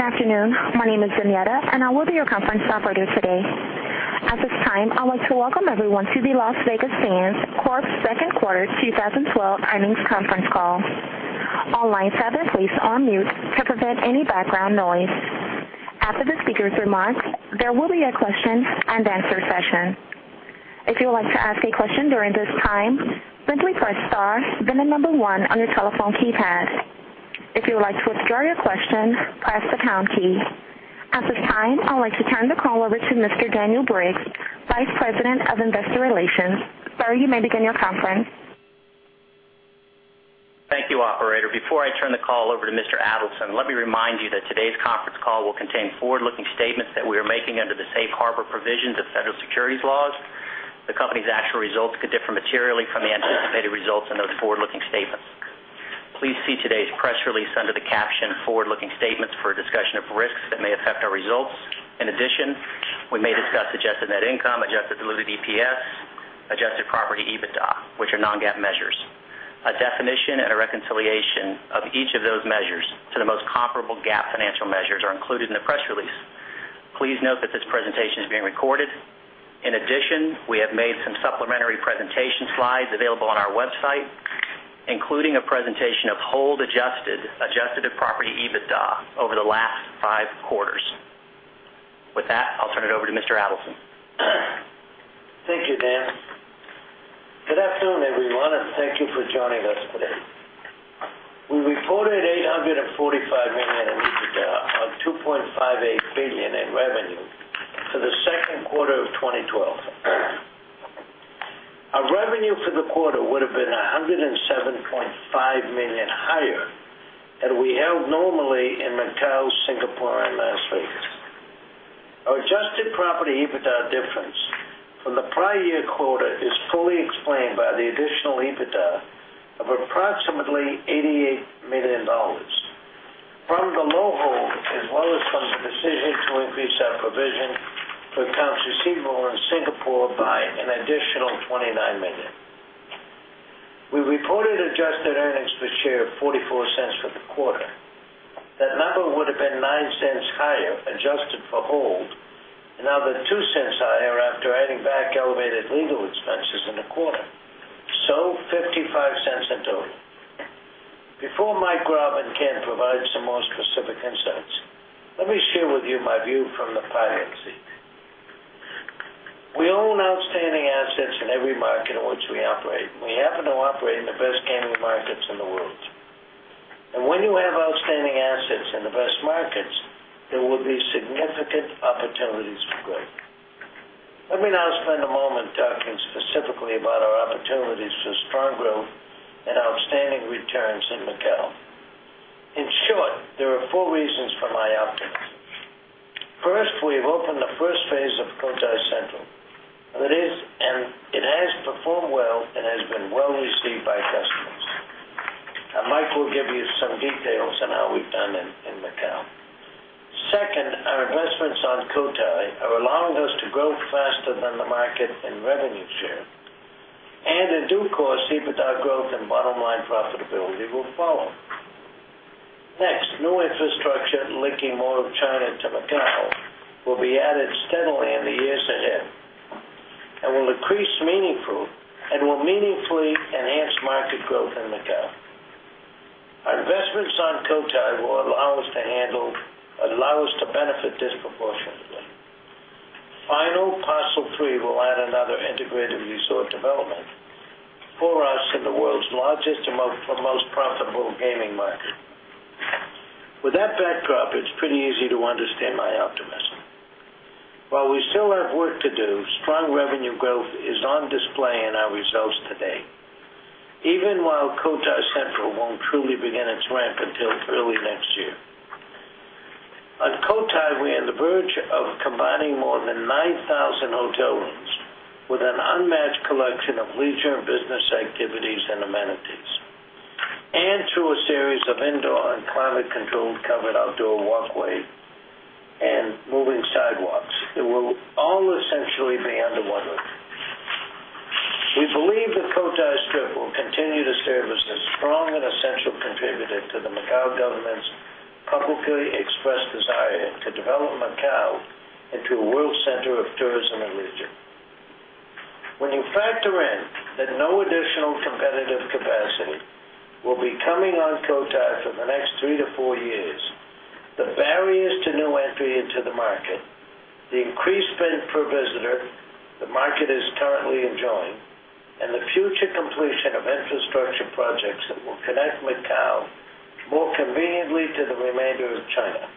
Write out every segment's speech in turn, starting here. Good afternoon. My name is Daniella, and I will be your conference operator today. At this time, I'd like to welcome everyone to the Las Vegas Sands Corp.'s second quarter 2012 earnings conference call. All lines have been placed on mute to prevent any background noise. After the speaker's remarks, there will be a question-and-answer session. If you would like to ask a question during this time, simply press star, then the number 1 on your telephone keypad. If you would like to withdraw your question, press the pound key. At this time, I'd like to turn the call over to Mr. Daniel Briggs, Vice President of Investor Relations. Sir, you may begin your conference. Thank you, operator. Before I turn the call over to Mr. Adelson, let me remind you that today's conference call will contain forward-looking statements that we are making under the safe harbor provisions of federal securities laws. The company's actual results could differ materially from the anticipated results in those forward-looking statements. Please see today's press release under the caption forward-looking statements for a discussion of risks that may affect our results. In addition, we may discuss adjusted net income, adjusted diluted EPS, adjusted property EBITDA, which are non-GAAP measures. A definition and a reconciliation of each of those measures to the most comparable GAAP financial measures are included in the press release. Please note that this presentation is being recorded. In addition, we have made some supplementary presentation slides available on our website, including a presentation of hold-adjusted, adjusted property EBITDA over the last five quarters. With that, I'll turn it over to Mr. Adelson. Thank you, Dan. Good afternoon, everyone, thank you for joining us today. We reported $845 million in EBITDA on $2.58 billion in revenue for the second quarter of 2012. Our revenue for the quarter would've been $107.5 million higher had we held normally in Macao, Singapore, and Las Vegas. Our adjusted property EBITDA difference from the prior year quarter is fully explained by the additional EBITDA of approximately $88 million from the low hold as well as from the decision to increase our provision for accounts receivable in Singapore by an additional $29 million. We reported adjusted earnings per share of $0.44 for the quarter. That number would've been $0.09 higher, adjusted for hold, another $0.02 higher after adding back elevated legal expenses in the quarter. $0.55 in total. Before Michael Leven can provide some more specific insights, let me share with you my view from the pilot seat. We own outstanding assets in every market in which we operate. We happen to operate in the best gaming markets in the world. When you have outstanding assets in the best markets, there will be significant opportunities for growth. Let me now spend a moment talking specifically about our opportunities for strong growth and outstanding returns in Macao. In short, there are four reasons for my optimism. First, we've opened the first phase of Cotai Central, and it has performed well and has been well-received by customers. Mike will give you some details on how we've done in Macao. Second, our investments on Cotai are allowing us to grow faster than the market in revenue share, and in due course, EBITDA growth and bottom-line profitability will follow. Next, new infrastructure linking mainland China to Macao will be added steadily in the years ahead and will meaningfully enhance market growth in Macao. Our investments on Cotai will allow us to benefit disproportionately. Final Parcel 3 will add another integrated resort development for us in the world's largest and most profitable gaming market. With that backdrop, it's pretty easy to understand my optimism. While we still have work to do, strong revenue growth is on display in our results today, even while Cotai Central won't truly begin its ramp until early next year. On Cotai, we're on the verge of combining more than 9,000 hotel rooms with an unmatched collection of leisure and business activities and amenities. Through a series of indoor and climate-controlled covered outdoor walkways and moving sidewalks, it will all essentially be under one roof. We believe that Cotai Strip will continue to serve as a strong and essential contributor to the Macao government's publicly expressed desire to develop Macao into a world center of tourism and leisure. When you factor in that no additional competitive capacity will be coming on Cotai for the next three to four years, the barriers to new entry into the market, the increased spend per visitor the market is currently enjoying, and the future completion of infrastructure projects that will connect Macao more conveniently to the remainder of China,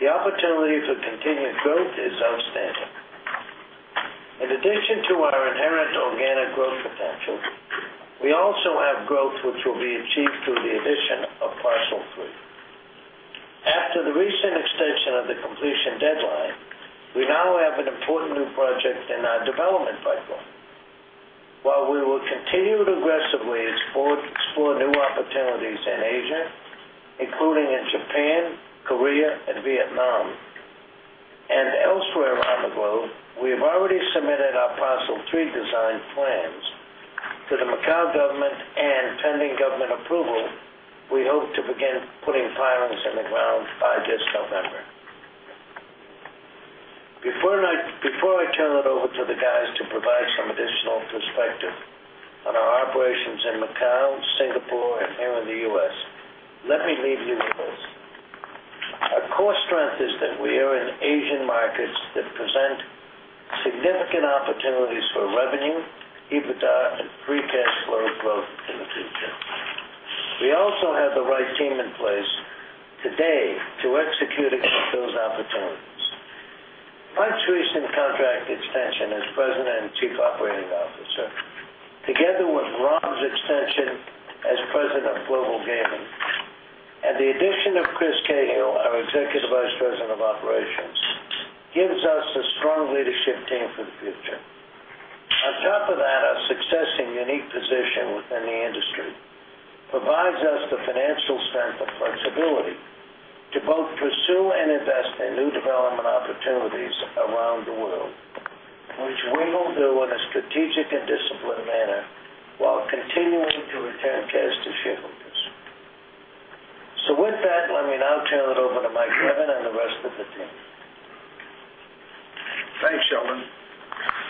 the opportunity for continued growth is outstanding. In addition to our inherent organic growth potential, we also have growth which will be achieved through the addition of Parcel 3. After the recent extension of the completion deadline, we now have an important new project in our development pipeline. While we will continue to aggressively explore new opportunities in Asia, including in Japan, Korea, and Vietnam. Tree design plans to the Macao government, and pending government approval, we hope to begin putting pilings in the ground by this November. Before I turn it over to the guys to provide some additional perspective on our operations in Macao, Singapore, and here in the U.S., let me leave you with this. Our core strength is that we are in Asian markets that present significant opportunities for revenue, EBITDA, and free cash flow growth in the future. We also have the right team in place today to execute against those opportunities. Mike's recent contract extension as President and Chief Operating Officer, together with Rob's extension as President of Global Gaming, and the addition of Chris Cahill, our Executive Vice President of Operations, gives us a strong leadership team for the future. On top of that, our success and unique position within the industry provides us the financial strength and flexibility to both pursue and invest in new development opportunities around the world, which we will do in a strategic and disciplined manner while continuing to return cash to shareholders. With that, let me now turn it over to Mike Leven and the rest of the team. Thanks, Sheldon.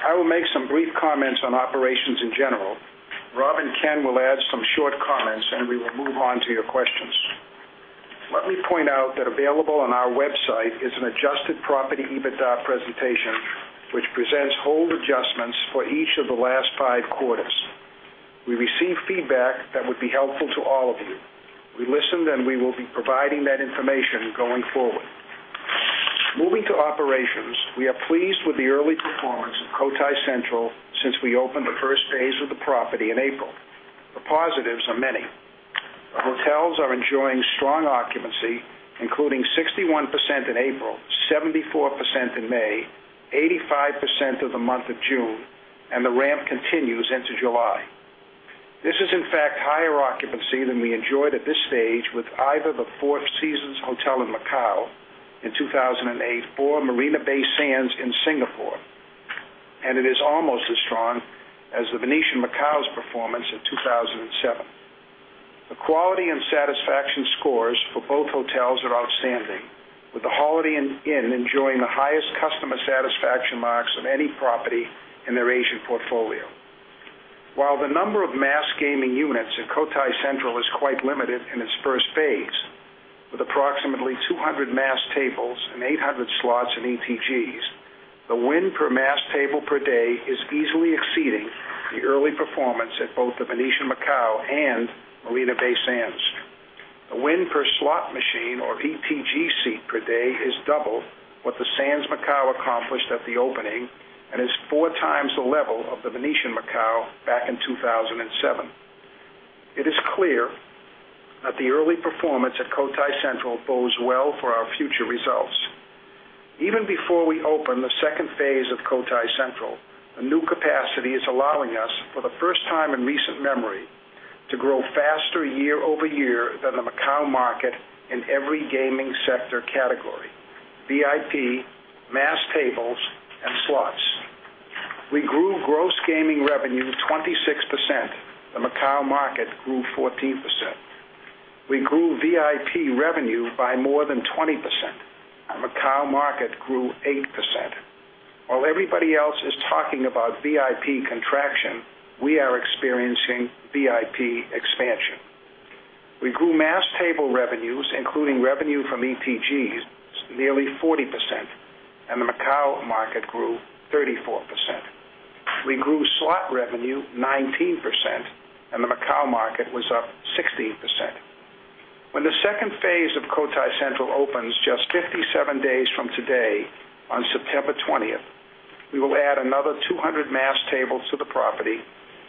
I will make some brief comments on operations in general. Rob and Ken will add some short comments. We will move on to your questions. Let me point out that available on our website is an adjusted property EBITDA presentation, which presents hold adjustments for each of the last five quarters. We received feedback that would be helpful to all of you. We listened. We will be providing that information going forward. Moving to operations, we are pleased with the early performance of Cotai Central since we opened the first phase of the property in April. The positives are many. The hotels are enjoying strong occupancy, including 61% in April, 74% in May, 85% of the month of June, and the ramp continues into July. This is, in fact, higher occupancy than we enjoyed at this stage with either the Four Seasons Hotel Macao in 2008 or Marina Bay Sands in Singapore. It is almost as strong as The Venetian Macao's performance in 2007. The quality and satisfaction scores for both hotels are outstanding, with the Holiday Inn enjoying the highest customer satisfaction marks of any property in their Asian portfolio. While the number of mass gaming units at Cotai Central is quite limited in its first phase, with approximately 200 mass tables and 800 slots and ETGs, the win per mass table per day is easily exceeding the early performance at both The Venetian Macao and Marina Bay Sands. The win per slot machine or ETG seat per day is double what the Sands Macao accomplished at the opening and is four times the level of The Venetian Macao back in 2007. It is clear that the early performance at Cotai Central bodes well for our future results. Even before we open the second phase of Cotai Central, the new capacity is allowing us, for the first time in recent memory, to grow faster year-over-year than the Macao market in every gaming sector category: VIP, mass tables, and slots. We grew gross gaming revenue 26%. The Macao market grew 14%. We grew VIP revenue by more than 20%. The Macao market grew 8%. While everybody else is talking about VIP contraction, we are experiencing VIP expansion. We grew mass table revenues, including revenue from ETGs, nearly 40%. The Macao market grew 34%. We grew slot revenue 19%. The Macao market was up 16%. When the second phase of Cotai Central opens just 57 days from today, on September 20th, we will add another 200 mass tables to the property,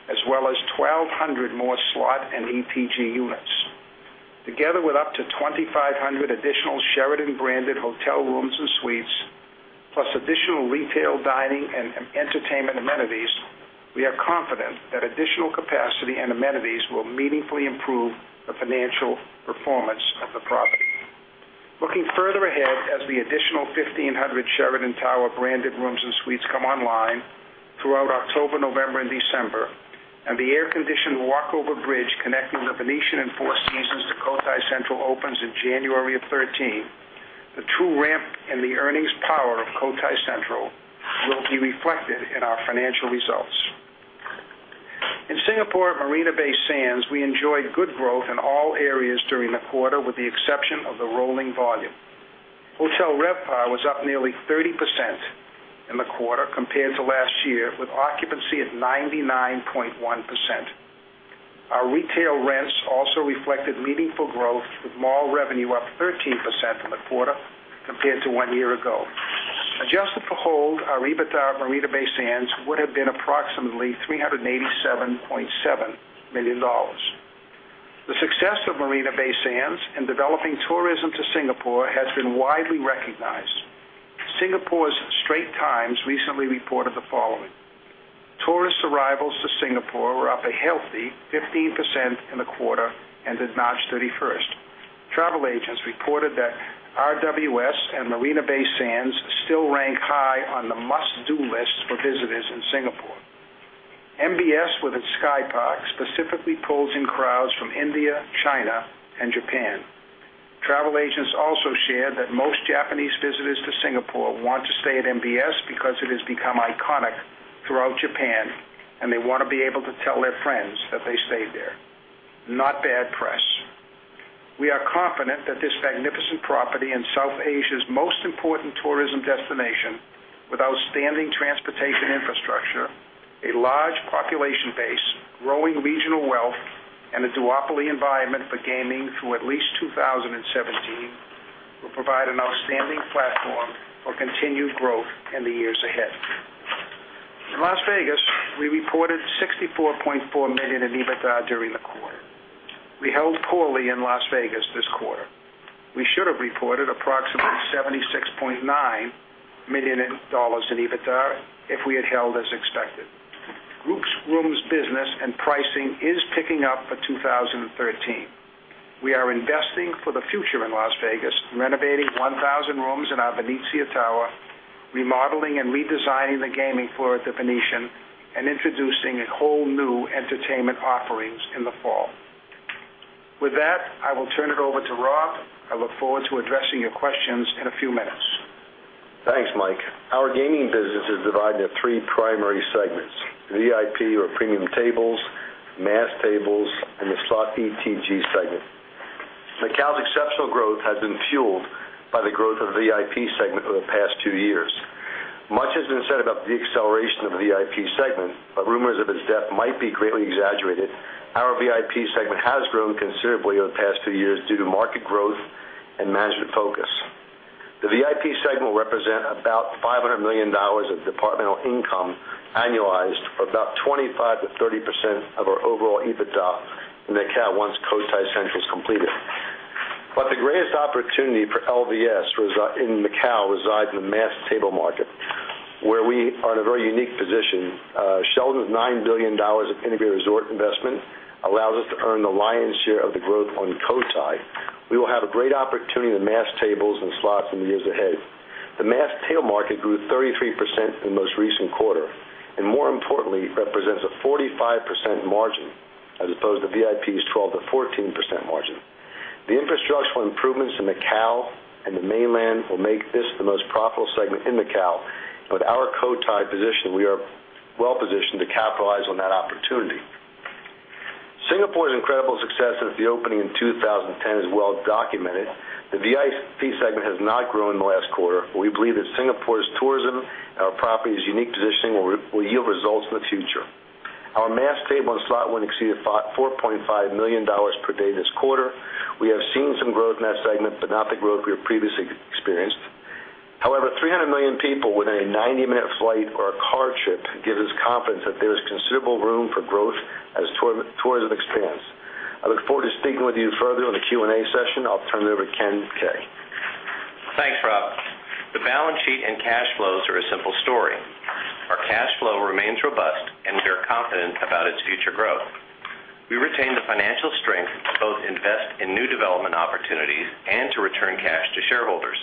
as well as 1,200 more slot and ETG units. Together with up to 2,500 additional Sheraton-branded hotel rooms and suites, plus additional retail, dining, and entertainment amenities, we are confident that additional capacity and amenities will meaningfully improve the financial performance of the property. Looking further ahead as the additional 1,500 Sheraton Tower branded rooms and suites come online throughout October, November, and December, and the air-conditioned walk-over bridge connecting The Venetian and Four Seasons to Cotai Central opens in January of 2013, the true ramp and the earnings power of Cotai Central will be reflected in our financial results. In Singapore, at Marina Bay Sands, we enjoyed good growth in all areas during the quarter, with the exception of the rolling volume. Hotel RevPAR was up nearly 30% in the quarter compared to last year, with occupancy at 99.1%. Our retail rents also reflected meaningful growth, with mall revenue up 13% in the quarter compared to one year ago. Adjusted for hold, our EBITDA at Marina Bay Sands would have been approximately $387.7 million. The success of Marina Bay Sands in developing tourism to Singapore has been widely recognized. Singapore's The Straits Times recently reported the following: tourist arrivals to Singapore were up a healthy 15% in the quarter ended March 31st. Travel agents reported that RWS and Marina Bay Sands still rank high on the must-do list for visitors in Singapore. MBS, with its SkyPark, specifically pulls in crowds from India, China, and Japan. Travel agents also share that most Japanese visitors to Singapore want to stay at MBS because it has become iconic throughout Japan, and they want to be able to tell their friends that they stayed there. Not bad press. We are confident that this magnificent property in Southeast Asia's most important tourism destination, with outstanding transportation infrastructure, a large population base, growing regional wealth, and a duopoly environment for gaming through at least 2017, will provide an outstanding platform for continued growth in the years ahead. In Las Vegas, we reported $64.4 million in EBITDA during the quarter. We held poorly in Las Vegas this quarter. We should have reported approximately $76.9 million in EBITDA if we had held as expected. Groups, rooms business, and pricing is picking up for 2013. We are investing for the future in Las Vegas, renovating 1,000 rooms in our Venezia Tower, remodeling and redesigning the gaming floor at The Venetian, and introducing whole new entertainment offerings in the fall. With that, I will turn it over to Rob. I look forward to addressing your questions in a few minutes. Thanks, Mike. Our gaming business is divided into three primary segments: VIP or premium tables, mass tables, and the slot ETG segment. Macao's exceptional growth has been fueled by the growth of the VIP segment over the past two years. Much has been said about the acceleration of the VIP segment, but rumors of its death might be greatly exaggerated. Our VIP segment has grown considerably over the past two years due to market growth and management focus. The VIP segment will represent about $500 million of departmental income annualized, or about 25%-30% of our overall EBITDA in Macao once Cotai Central's completed. The greatest opportunity for LVS in Macao resides in the mass table market, where we are in a very unique position. Sheldon's $9 billion of integrated resort investment allows us to earn the lion's share of the growth on Cotai. We will have a great opportunity in the mass tables and slots in the years ahead. The mass table market grew 33% in the most recent quarter, and more importantly, represents a 45% margin, as opposed to VIP's 12%-14% margin. The infrastructural improvements in Macao and the mainland will make this the most profitable segment in Macao. With our Cotai position, we are well-positioned to capitalize on that opportunity. Singapore's incredible success since the opening in 2010 is well documented. The VIP segment has not grown in the last quarter, but we believe that Singapore's tourism and our property's unique positioning will yield results in the future. Our mass table and slot win exceeded $4.5 million per day this quarter. We have seen some growth in that segment, but not the growth we have previously experienced. However, 300 million people within a 90-minute flight or a car trip gives us confidence that there is considerable room for growth as tourism expands. I look forward to speaking with you further on the Q&A session. I'll turn it over to Ken Kay. Thanks, Rob. The balance sheet and cash flows are a simple story. Our cash flow remains robust, and we are confident about its future growth. We retain the financial strength to both invest in new development opportunities and to return cash to shareholders,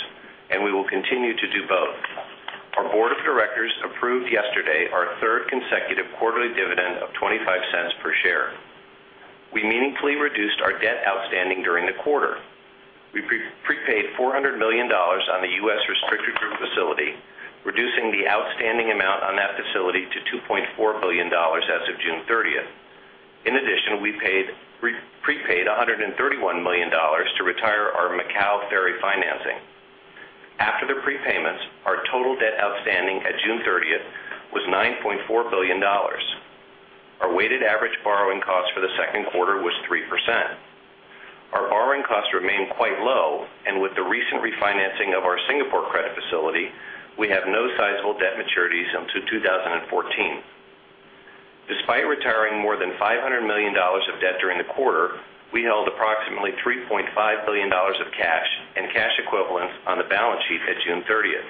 and we will continue to do both. Our board of directors approved yesterday our third consecutive quarterly dividend of $0.25 per share. We meaningfully reduced our debt outstanding during the quarter. We prepaid $400 million on the U.S. restricted group facility, reducing the outstanding amount on that facility to $2.4 billion as of June 30th. In addition, we prepaid $131 million to retire our Macao ferry financing. After the prepayments, our total debt outstanding at June 30th was $9.4 billion. Our weighted average borrowing cost for the second quarter was 3%. Our borrowing costs remain quite low. With the recent refinancing of our Singapore credit facility, we have no sizable debt maturities until 2014. Despite retiring more than $500 million of debt during the quarter, we held approximately $3.5 billion of cash and cash equivalents on the balance sheet at June 30th.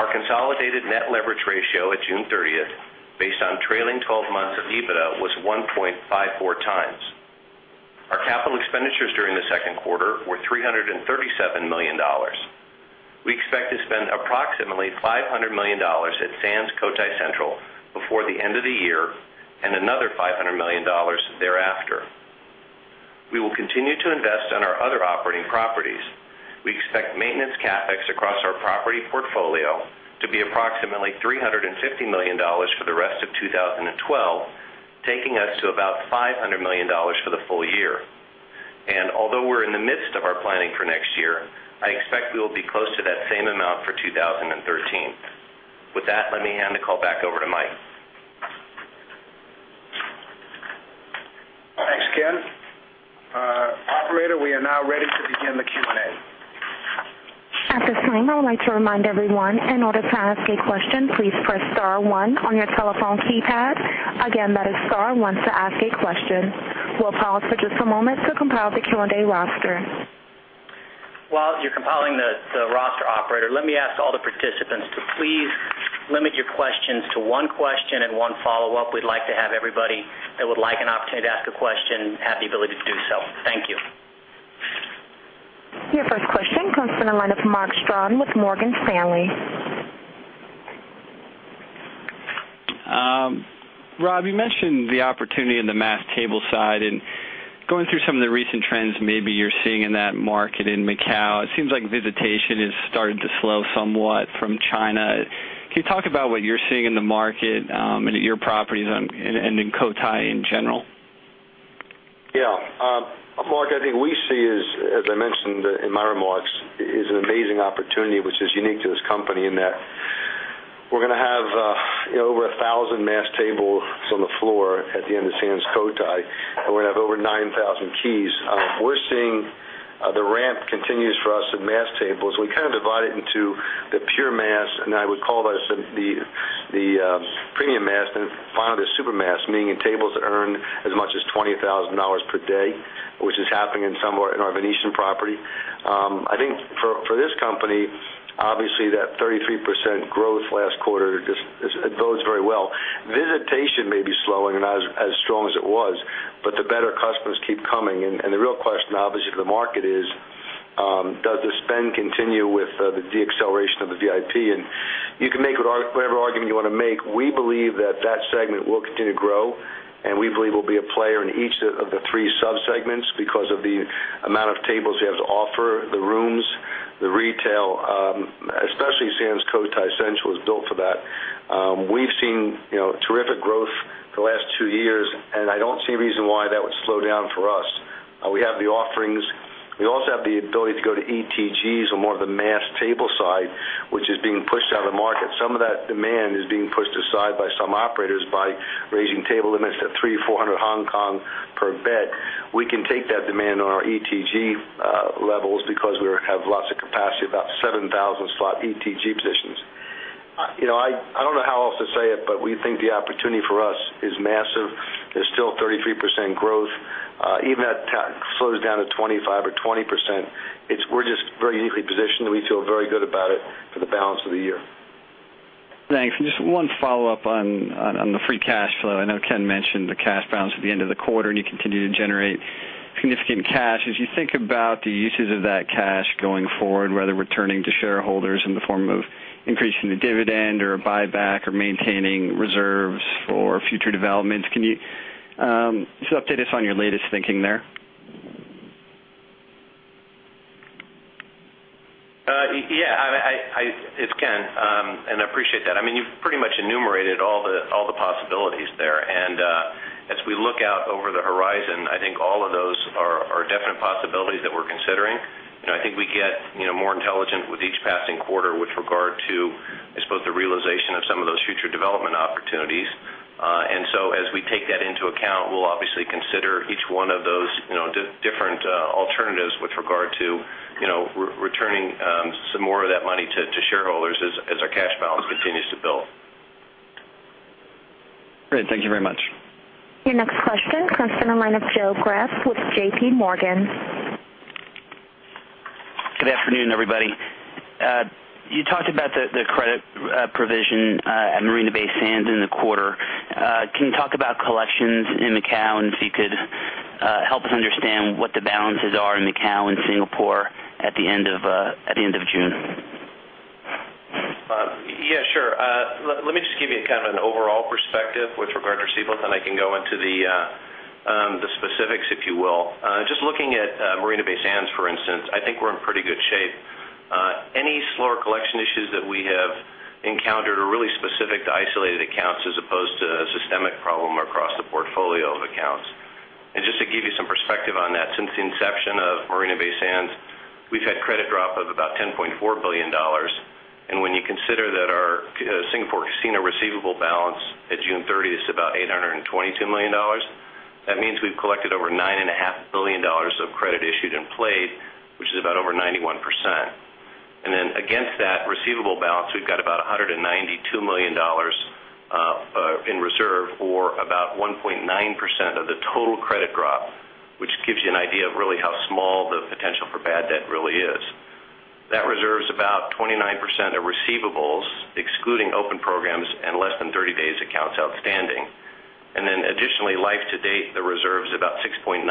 Our consolidated net leverage ratio at June 30th, based on trailing 12 months of EBITDA, was 1.54 times. Our capital expenditures during the second quarter were $337 million. We expect to spend approximately $500 million at Sands Cotai Central before the end of the year and another $500 million thereafter. We will continue to invest in our other operating properties. We expect maintenance CapEx across our property portfolio to be approximately $350 million for the rest of 2012, taking us to about $500 million for the full year. Although we're in the midst of our planning for next year, I expect we will be close to that same amount for 2013. With that, let me hand the call back over to Mike. Thanks, Ken. Operator, we are now ready to begin the Q&A. At this time, I would like to remind everyone, in order to ask a question, please press star one on your telephone keypad. Again, that is star one to ask a question. We'll pause for just a moment to compile the Q&A roster. While you're compiling the roster, operator, let me ask all the participants to please limit your questions to one question and one follow-up. We'd like to have everybody that would like an opportunity to ask a question, have the ability to do so. Thank you. Your first question comes from the line of Mark Strawn with Morgan Stanley. Rob, you mentioned the opportunity in the mass table side, and going through some of the recent trends maybe you're seeing in that market in Macau, it seems like visitation has started to slow somewhat from China. Can you talk about what you're seeing in the market, and at your properties, and in Cotai in general? Yeah. Mark, I think we see, as I mentioned in my remarks, is an amazing opportunity which is unique to this company in that we're going to have over 1,000 mass tables on the floor at the end of Sands Cotai. We're going to have over 9,000 keys. We're seeing the ramp continues for us in mass tables. We kind of divide it into the pure mass, and I would call those the premium mass, then finally the super mass, meaning tables that earn as much as $20,000 per day, which is happening in our Venetian property. I think for this company, obviously, that 33% growth last quarter bodes very well. Visitation may be slowing and not as strong as it was, but the better customers keep coming. The real question, obviously, to the market is, does the spend continue with the deacceleration of the VIP? You can make whatever argument you want to make. We believe that segment will continue to grow, and we believe we'll be a player in each of the three sub-segments because of the amount of tables we have to offer, the rooms, the retail, especially Sands Cotai Central is built for that. We've seen terrific growth the last two years, and I don't see a reason why that would slow down for us. We have the offerings. We also have the ability to go to ETGs on more of the mass table side, which is being pushed out of the market. Some of that demand is being pushed aside by some operators by raising table limits to 300, 400 Hong Kong per bet. We can take that demand on our ETG levels because we have lots of capacity, about 7,000 slot ETG positions. I don't know how else to say it, we think the opportunity for us is massive. There's still 33% growth. Even at tax slows down to 25% or 20%, we're just very uniquely positioned, and we feel very good about it for the balance of the year. Thanks. Just one follow-up on the free cash flow. I know Ken mentioned the cash balance at the end of the quarter, you continue to generate significant cash. As you think about the uses of that cash going forward, whether returning to shareholders in the form of increasing the dividend or a buyback or maintaining reserves for future developments, can you just update us on your latest thinking there? Yeah. It's Ken, I appreciate that. You've pretty much enumerated all the possibilities there. As we look out over the horizon, I think all of those are definite possibilities that we're considering. I think we get more intelligent with each passing quarter with regard to, I suppose, the realization of some of those future development opportunities. As we take that into account, we'll obviously consider each one of those different alternatives with regard to returning some more of that money to shareholders as our cash balance continues to build. Great. Thank you very much. Your next question comes from the line of Joseph Greff with JPMorgan. Good afternoon, everybody. You talked about the credit provision at Marina Bay Sands in the quarter. Can you talk about collections in Macau, and if you could help us understand what the balances are in Macau and Singapore at the end of June? Yeah, sure. Let me just give you an overall perspective with regard to receivables, then I can go into the specifics, if you will. Just looking at Marina Bay Sands, for instance, I think we're in pretty good shape. Any slower collection issues that we have encountered are really specific to isolated accounts as opposed to a systemic problem across the portfolio of accounts. Just to give you some perspective on that, since the inception of Marina Bay Sands, we've had credit drop of about $10.4 billion. When you consider that our Singapore casino receivable balance at June 30th is about $822 million, that means we've collected over $9.5 billion of credit issued and played, which is about over 91%. Against that receivable balance, we've got about $192 million in reserve, or about 1.9% of the total credit drop, which gives you an idea of really how small the potential for bad debt really is. That reserve's about 29% of receivables, excluding open programs and less than 30 days accounts outstanding. Additionally, life to date, the reserve's about 6.9%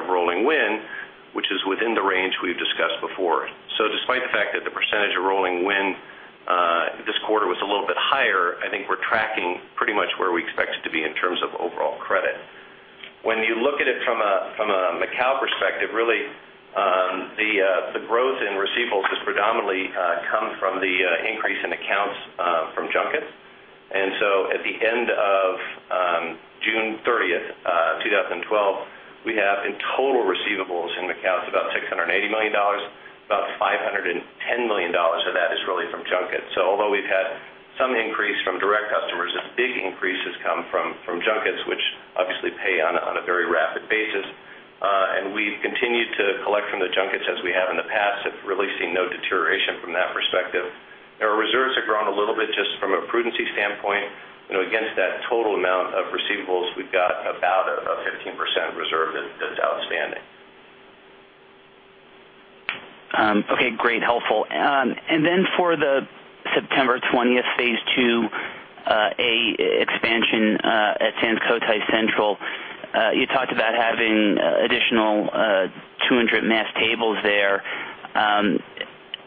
of rolling win, which is within the range we've discussed before. Despite the fact that the percentage of rolling win this quarter was a little bit higher, I think we're tracking pretty much where we expect it to be in terms of overall credit. When you look at it from a Macau perspective, really, the growth in receivables has predominantly come from the increase in accounts from junkets. At the end of June 30th, 2012, we have in total receivables in accounts about $680 million. About $510 million of that is really from junkets. Although we've had some increase from direct customers, the big increase has come from junkets, which obviously pay on a very rapid basis. We've continued to collect from the junkets as we have in the past, have really seen no deterioration from that perspective. Our reserves have grown a little bit just from a prudency standpoint. Against that total amount of receivables, we've got about a 15% reserve that's outstanding. Okay, great. Helpful. For the September 20th, phase two, expansion at Sands Cotai Central, you talked about having additional 200 mass tables there.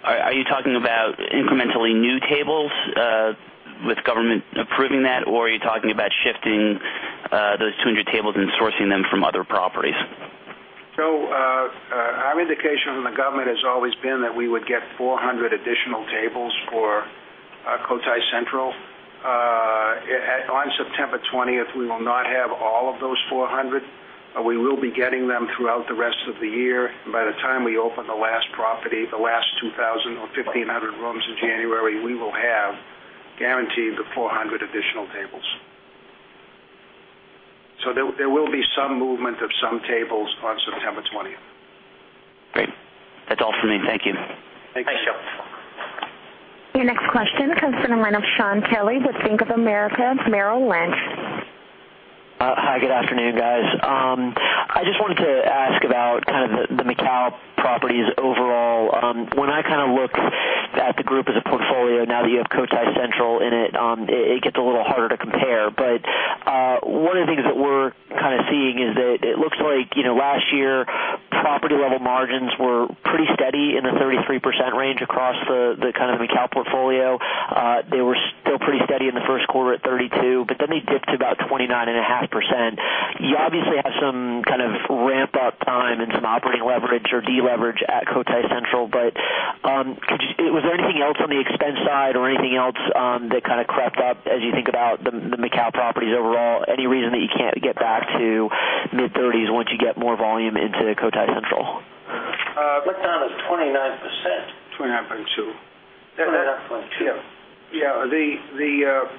Are you talking about incrementally new tables with government approving that, or are you talking about shifting those 200 tables and sourcing them from other properties? Our indication from the government has always been that we would get 400 additional tables for Sands Cotai Central. On September 20th, we will not have all of those 400. We will be getting them throughout the rest of the year. By the time we open the last property, the last 2,000 or 1,500 rooms in January, we will have guaranteed the 400 additional tables. There will be some movement of some tables on September 20th. Great. That's all for me. Thank you. Thanks. Your next question comes from the line of Shaun Kelley with Bank of America Merrill Lynch. Hi, good afternoon, guys. I just wanted to ask about the Macau properties overall. When I look at the group as a portfolio, now that you have Sands Cotai Central in it gets a little harder to compare. One of the things that we're seeing is that it looks like last year, property-level margins were pretty steady in the 33% range across the Macau portfolio. They were still pretty steady in the first quarter at 32%, they dipped to about 29.5%. You obviously have some kind of ramp-up time and some operating leverage or deleverage at Sands Cotai Central. Was there anything else on the expense side or anything else that crept up as you think about the Macau properties overall? Any reason that you can't get back to mid-thirties once you get more volume into Sands Cotai Central? What's down to 29%? 29.2. 29.2. Yeah.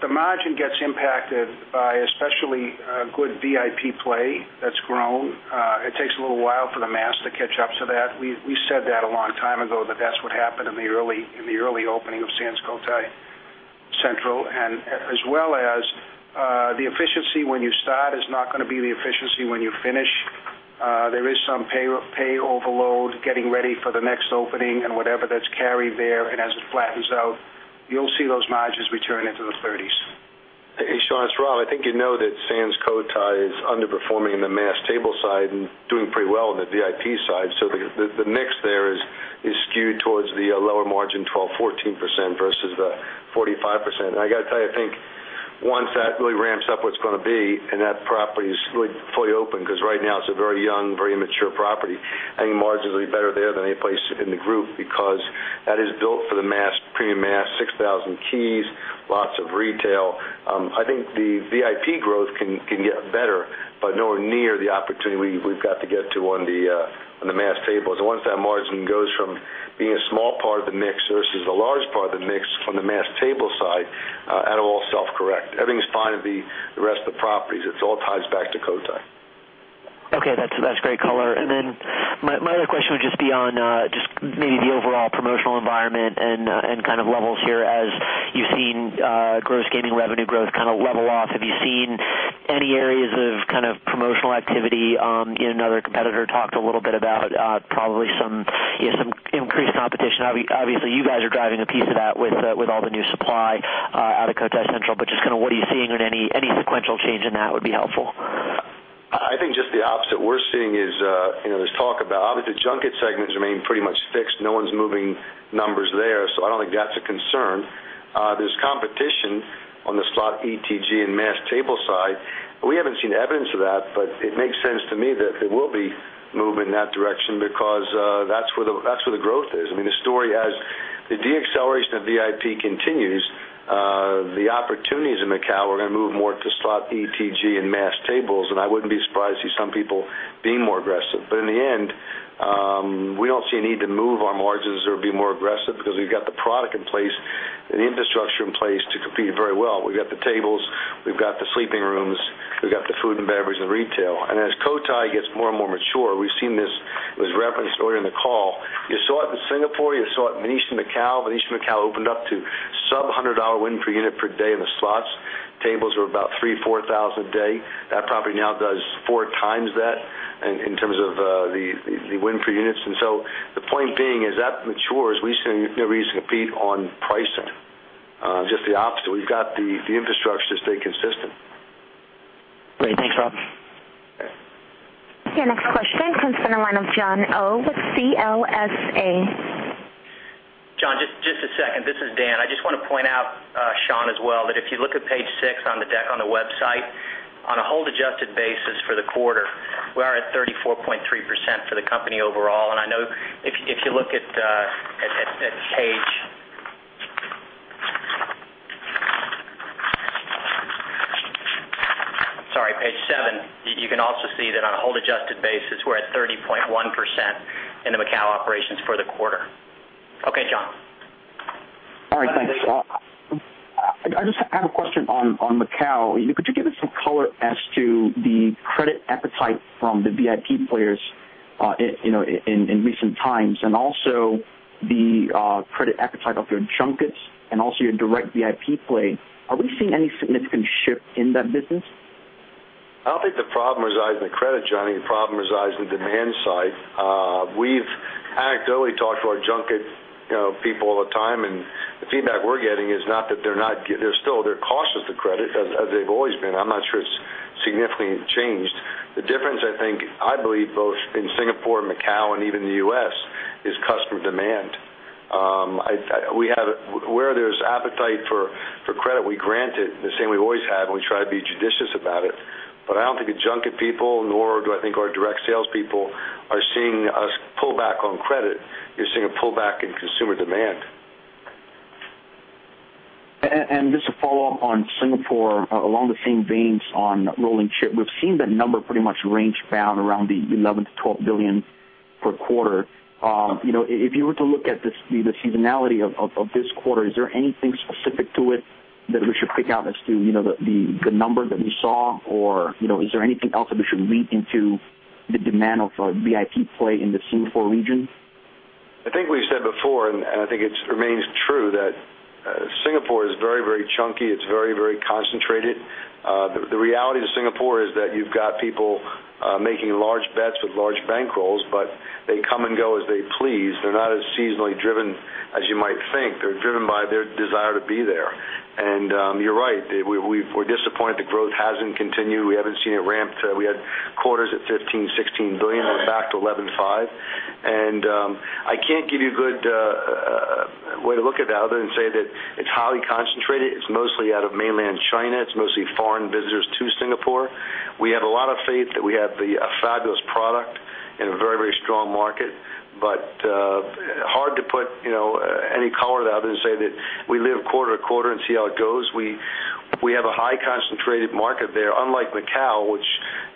The margin gets impacted by especially good VIP play that's grown. It takes a little while for the mass to catch up to that. We said that a long time ago, that that's what happened in the early opening of Sands Cotai Central, as well as the efficiency when you start is not going to be the efficiency when you finish. There is some pay overload, getting ready for the next opening and whatever that's carried there. As it flattens out, you'll see those margins return into the thirties. Hey, Shaun, it's Rob. I think you know that Sands Cotai is underperforming in the mass table side and doing pretty well in the VIP side. The mix there is skewed towards the lower margin, 12%-14%, versus the 45%. I got to tell you, I think once that really ramps up what it's going to be and that property is fully open, because right now it's a very young, very immature property, I think margins will be better there than any place in the group because that is built for the premium mass 6,000 keys, lots of retail. I think the VIP growth can get better, nowhere near the opportunity we've got to get to on the mass tables. Once that margin goes from being a small part of the mix versus a large part of the mix from the mass table side, that'll all self-correct. Everything's fine with the rest of the properties. It all ties back to Cotai. Okay. That's great color. My other question would just be on maybe the overall promotional environment and kind of levels here as you've seen gross gaming revenue growth kind of level off. Have you seen any areas of promotional activity? Another competitor talked a little bit about probably some increased competition. Obviously, you guys are driving a piece of that with all the new supply out of Cotai Central, what are you seeing and any sequential change in that would be helpful. I think just the opposite we're seeing is there's talk about, obviously, the junket segment has remained pretty much fixed. No one's moving numbers there, so I don't think that's a concern. There's competition on the slot ETG and mass table side. We haven't seen evidence of that, it makes sense to me that there will be movement in that direction because that's where the growth is. I mean, the story as the de-acceleration of VIP continues, the opportunities in Macau are going to move more to slot ETG and mass tables, I wouldn't be surprised to see some people being more aggressive. In the end, we don't see a need to move our margins or be more aggressive because we've got the product in place and the infrastructure in place to compete very well. We've got the tables, we've got the sleeping rooms, we've got the food and beverage and retail. As Cotai gets more and more mature, we've seen this, it was referenced earlier in the call. You saw it in Singapore, you saw it in The Venetian Macao. The Venetian Macao opened up to sub-$100 win per unit per day in the slots. Tables were about 3,000, 4,000 a day. That property now does four times that in terms of the win per units. The point being is as that matures, we see no reason to compete on pricing. Just the opposite. We've got the infrastructure to stay consistent. Great. Thanks, Rob. Your next question comes from the line of Jon Oh, with CLSA. Jon, just a second. This is Dan. I just want to point out, Shaun, as well, that if you look at page six on the deck on the website, on a hold-adjusted basis for the quarter, we are at 34.3% for the company overall. I know if you look at page seven, you can also see that on a hold-adjusted basis, we're at 30.1% in the Macau operations for the quarter. Okay, Jon. All right, thanks. I just have a question on Macau. Could you give us some color as to the credit appetite from the VIP players in recent times, and also the credit appetite of your junkets and also your direct VIP play. Are we seeing any significant shift in that business? I don't think the problem resides in the credit, Johnny. The problem resides in demand side. The feedback we're getting is they're cautious to credit as they've always been. I'm not sure it's significantly changed. The difference, I think, I believe both in Singapore, Macau, and even the U.S., is customer demand. Where there's appetite for credit, we grant it, the same we always have, and we try to be judicious about it. I don't think the junket people, nor do I think our direct salespeople are seeing us pull back on credit. You're seeing a pull back in consumer demand. Just to follow up on Singapore, along the same vein on rolling chip, we've seen that number pretty much range bound around the $11 billion to $12 billion per quarter. If you were to look at the seasonality of this quarter, is there anything specific to it that we should pick out as to the number that we saw? Is there anything else that we should read into the demand of VIP play in the Singapore region? I think we said before, I think it remains true, that Singapore is very, very chunky. It's very, very concentrated. The reality of Singapore is that you've got people making large bets with large bankrolls, but they come and go as they please. They're not as seasonally driven as you might think. They're driven by their desire to be there. You're right. We're disappointed the growth hasn't continued. We haven't seen it ramped. We had quarters at $15 billion, $16 billion. Now we're back to $11.5 billion. I can't give you a good way to look at that other than say that it's highly concentrated. It's mostly out of mainland China. It's mostly foreign visitors to Singapore. We have a lot of faith that we have a fabulous product in a very, very strong market. Hard to put any color to that other than say that we live quarter to quarter and see how it goes. We have a high concentrated market there, unlike Macau, which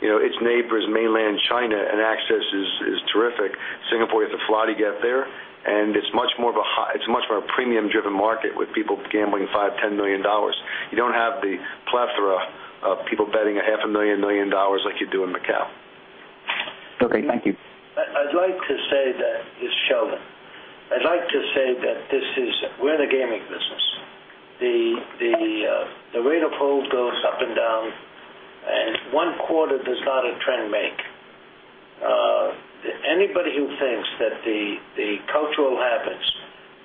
its neighbor is mainland China, and access is terrific. Singapore, you have to fly to get there, and it's much more of a premium-driven market with people gambling $5 million, $10 million. You don't have the plethora of people betting a half a million, a million dollars like you do in Macau. Okay. Thank you. It's Sheldon. I'd like to say that we're in the gaming business. The rate of hold goes up and down, and one quarter does not a trend make. Anybody who thinks that the cultural habits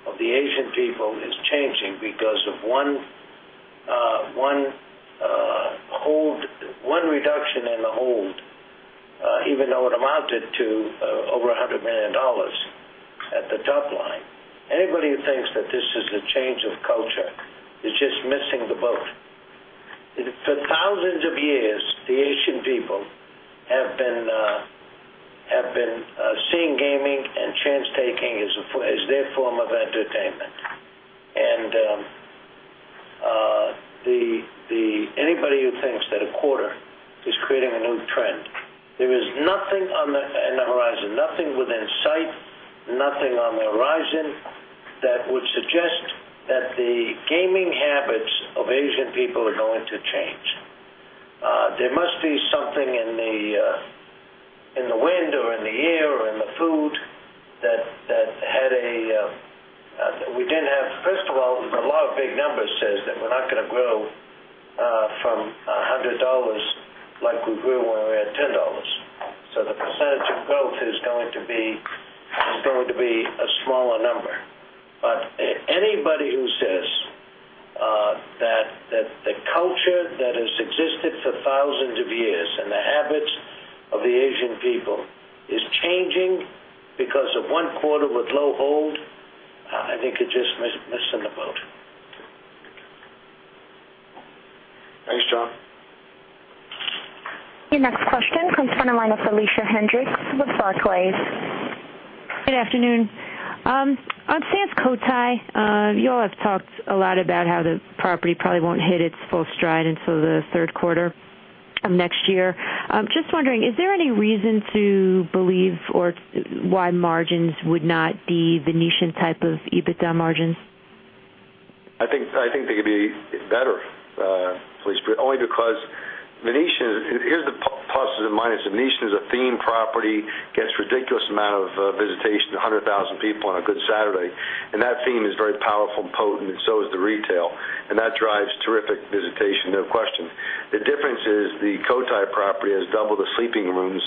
of the Asian people is changing because of one reduction in the hold, even though it amounted to over $100 million at the top line. Anybody who thinks that this is a change of culture is just missing the boat. For thousands of years, the Asian people have been seeing gaming and chance taking as their form of entertainment. Anybody who thinks that a quarter is creating a new trend, there is nothing in the horizon, nothing within sight, nothing on the horizon that would suggest that the gaming habits of Asian people are going to change. There must be something in the wind or in the air or in the food. First of all, a lot of big numbers says that we're not going to grow from $100 like we grew when we were at $10. The percentage of growth is going to be a smaller number. Anybody who says that the culture that has existed for thousands of years and the habits of the Asian people is changing because of one quarter with low hold, I think you're just missing the boat. Thanks, Sheldon. Your next question comes from the line of Felicia Hendrix with Barclays. Good afternoon. On Sands Cotai, you all have talked a lot about how the property probably won't hit its full stride until the third quarter of next year. Just wondering, is there any reason to believe or why margins would not be Venetian-type of EBITDA margins? I think they could be better, Felicia, only because Venetian. Here's the pluses and minus. Venetian is a theme property, gets ridiculous amount of visitation, 100,000 people on a good Saturday, and that theme is very powerful and potent, and so is the retail, and that drives terrific visitation, no question. The difference is the Cotai property has double the sleeping rooms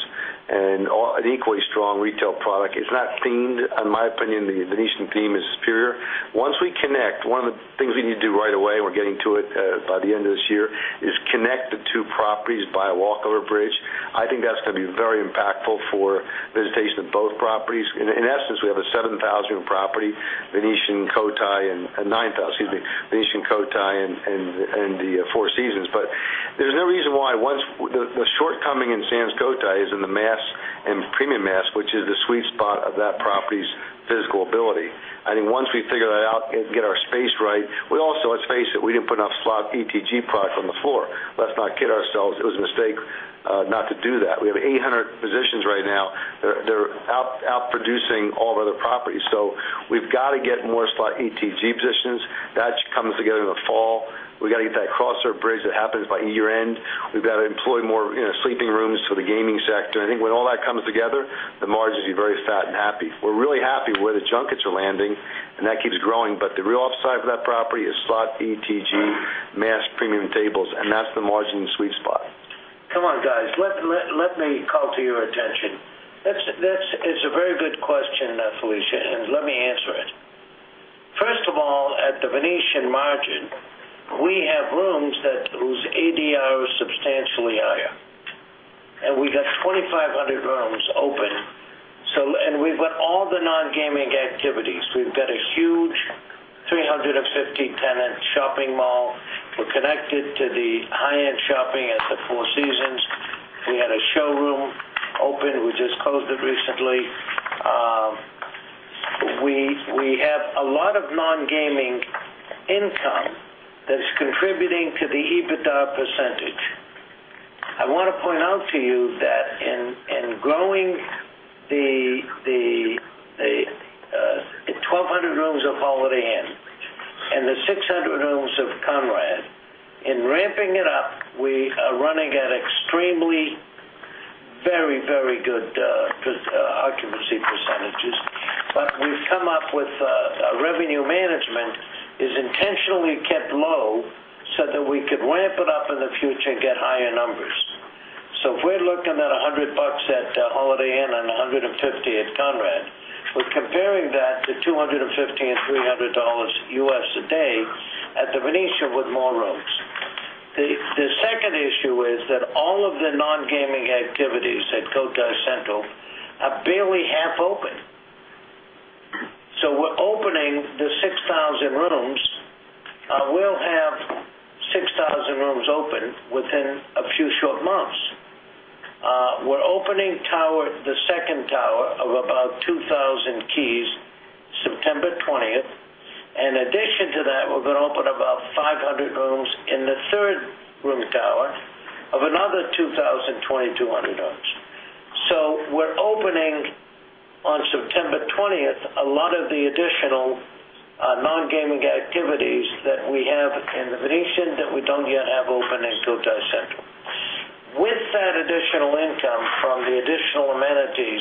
and an equally strong retail product. It's not themed. In my opinion, the Venetian theme is superior. Once we connect, one of the things we need to do right away, we're getting to it by the end of this year, is connect the two properties by a walk-over bridge. I think that's going to be very impactful for visitation of both properties. In essence, we have a 7,000-room property, Venetian Cotai, and 9,000, excuse me, Venetian Cotai and the Four Seasons. There's no reason why the shortcoming in Sands Cotai is in the mass and premium mass, which is the sweet spot of that property's physical ability. I think once we figure that out and get our space right, we also, let's face it, we didn't put enough slot ETG product on the floor. Let's not kid ourselves. It was a mistake not to do that. We have 800 positions right now. They're out-producing all of our other properties. We've got to get more slot ETG positions. That comes together in the fall. We've got to get that crosser bridge that happens by year-end. We've got to employ more sleeping rooms for the gaming sector. I think when all that comes together, the margins will be very fat and happy. We're really happy where the junkets are landing, and that keeps growing. The real upside for that property is slot ETG mass premium tables, and that's the margin sweet spot. Come on, guys. Let me call to your attention. It's a very good question, Felicia. Let me answer it. First of all, at The Venetian Macao, we have rooms whose ADR is substantially higher. We got 2,500 rooms open. We've got all the non-gaming activities. We've got a huge 350-tenant shopping mall. We're connected to the high-end shopping at the Four Seasons. We had a showroom open. We just closed it recently. We have a lot of non-gaming income that is contributing to the EBITDA %. I want to point out to you that in growing the 1,200 rooms of Holiday Inn and the 600 rooms of Conrad, in ramping it up, we are running at extremely very good occupancy %. We've come up with a revenue management is intentionally kept low so that we could ramp it up in the future and get higher numbers. If we're looking at $100 at Holiday Inn and $150 at Conrad, we're comparing that to $250 and $300 a day at The Venetian Macao with more rooms. The second issue is that all of the non-gaming activities at Cotai Central are barely half open. We're opening the 6,000 rooms. We'll have 6,000 rooms open within a few short months. We're opening the second tower of about 2,000 keys September 20th. In addition to that, we're going to open about 500 rooms in the third room tower of another 2,000, 2,200 rooms. We're opening on September 20th, a lot of the additional non-gaming activities that we have in The Venetian Macao that we don't yet have open in Cotai Central. With that additional income from the additional amenities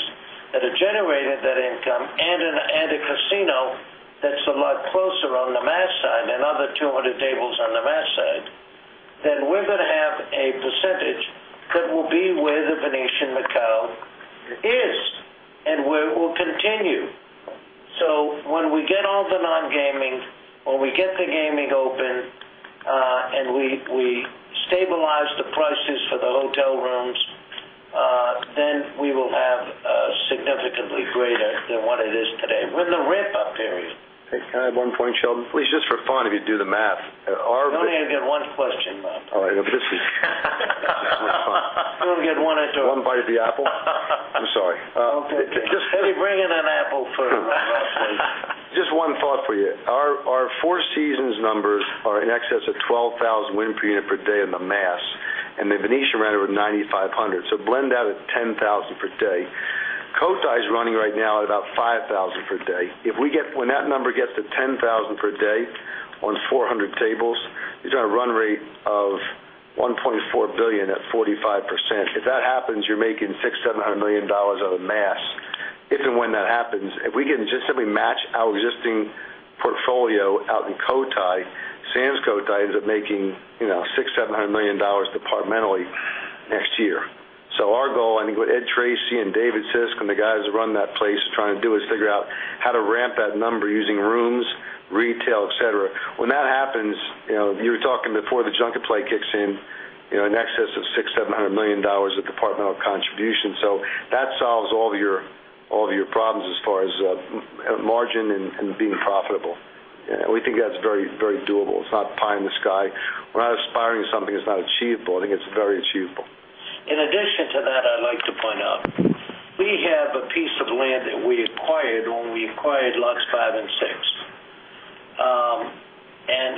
that are generating that income and a casino that's a lot closer on the mass side, another 200 tables on the mass side, we're going to have a percentage that will be where The Venetian Macao is and where it will continue. When we get all the non-gaming, when we get the gaming open, we stabilize the prices for the hotel rooms, we will have significantly greater than what it is today. We're in the ramp-up period. Can I have one point, Sheldon? Please, just for fun, if you do the math, our- You only get one question, Rob. All right. You only get one at your. One bite of the apple? I'm sorry. Okay. Can you bring in an apple for Rob? Just one thought for you. Our Four Seasons numbers are in excess of 12,000 win per unit per day on the mass, and the Venetian ran over 9,500. Blend that at 10,000 per day. Cotai is running right now at about 5,000 per day. When that number gets to 10,000 per day on 400 tables, you're doing a run rate of $1.4 billion at 45%. If that happens, you're making $600 million, $700 million out of the mass. If and when that happens, if we can just simply match our existing portfolio out in Cotai, Sands Cotai ends up making $600 million, $700 million departmentally next year. Our goal, I think what Edward Tracy and David Sisk and the guys who run that place are trying to do is figure out how to ramp that number using rooms, retail, et cetera. When that happens, you were talking before the junket play kicks in excess of $600 million, $700 million of departmental contribution. That solves all of your problems as far as margin and being profitable. We think that's very doable. It's not pie in the sky. We're not aspiring to something that's not achievable. I think it's very achievable. In addition to that, I'd like to point out, we have a piece of land that we acquired when we acquired Lots 5 and 6.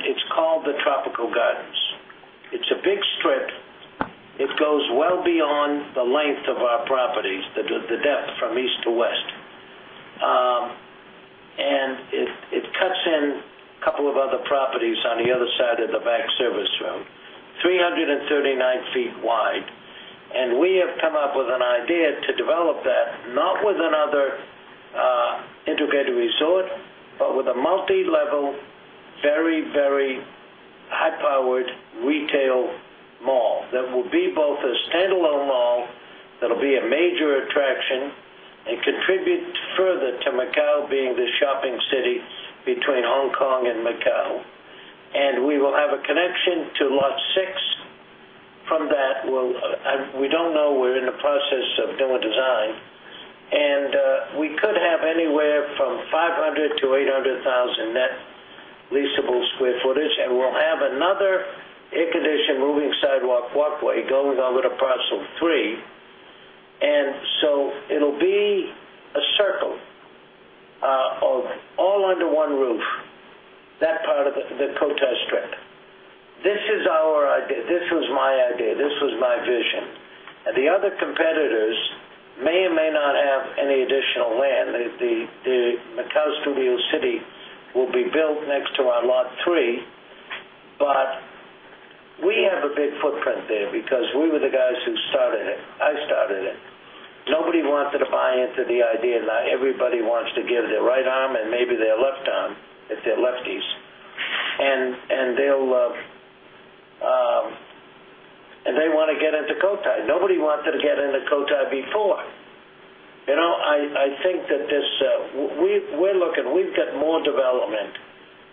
It's called the Tropical Gardens. It's a big strip. It goes well beyond the length of our properties, the depth from east to west. It cuts in a couple of other properties on the other side of the back service road, 339 feet wide. We have come up with an idea to develop that, not with another integrated resort, but with a multilevel, very high-powered retail mall that will be both a standalone mall that'll be a major attraction and contribute further to Macao being the shopping city between Hong Kong and Macao. We will have a connection to Lot 6 from that. We don't know. We're in the process of doing design. We could have anywhere from 500,000-800,000 net leasable square footage, and we'll have another air-conditioned moving sidewalk walkway going over to Parcel 3. It'll be the Cotai Strip. This was my idea. This was my vision. The other competitors may or may not have any additional land. The Macau Studio City will be built next to our Lot 3, but we have a big footprint there because we were the guys who started it. I started it. Nobody wanted to buy into the idea. Now everybody wants to give their right arm and maybe their left arm, if they're lefties. They want to get into Cotai. Nobody wanted to get into Cotai before. We've got more development.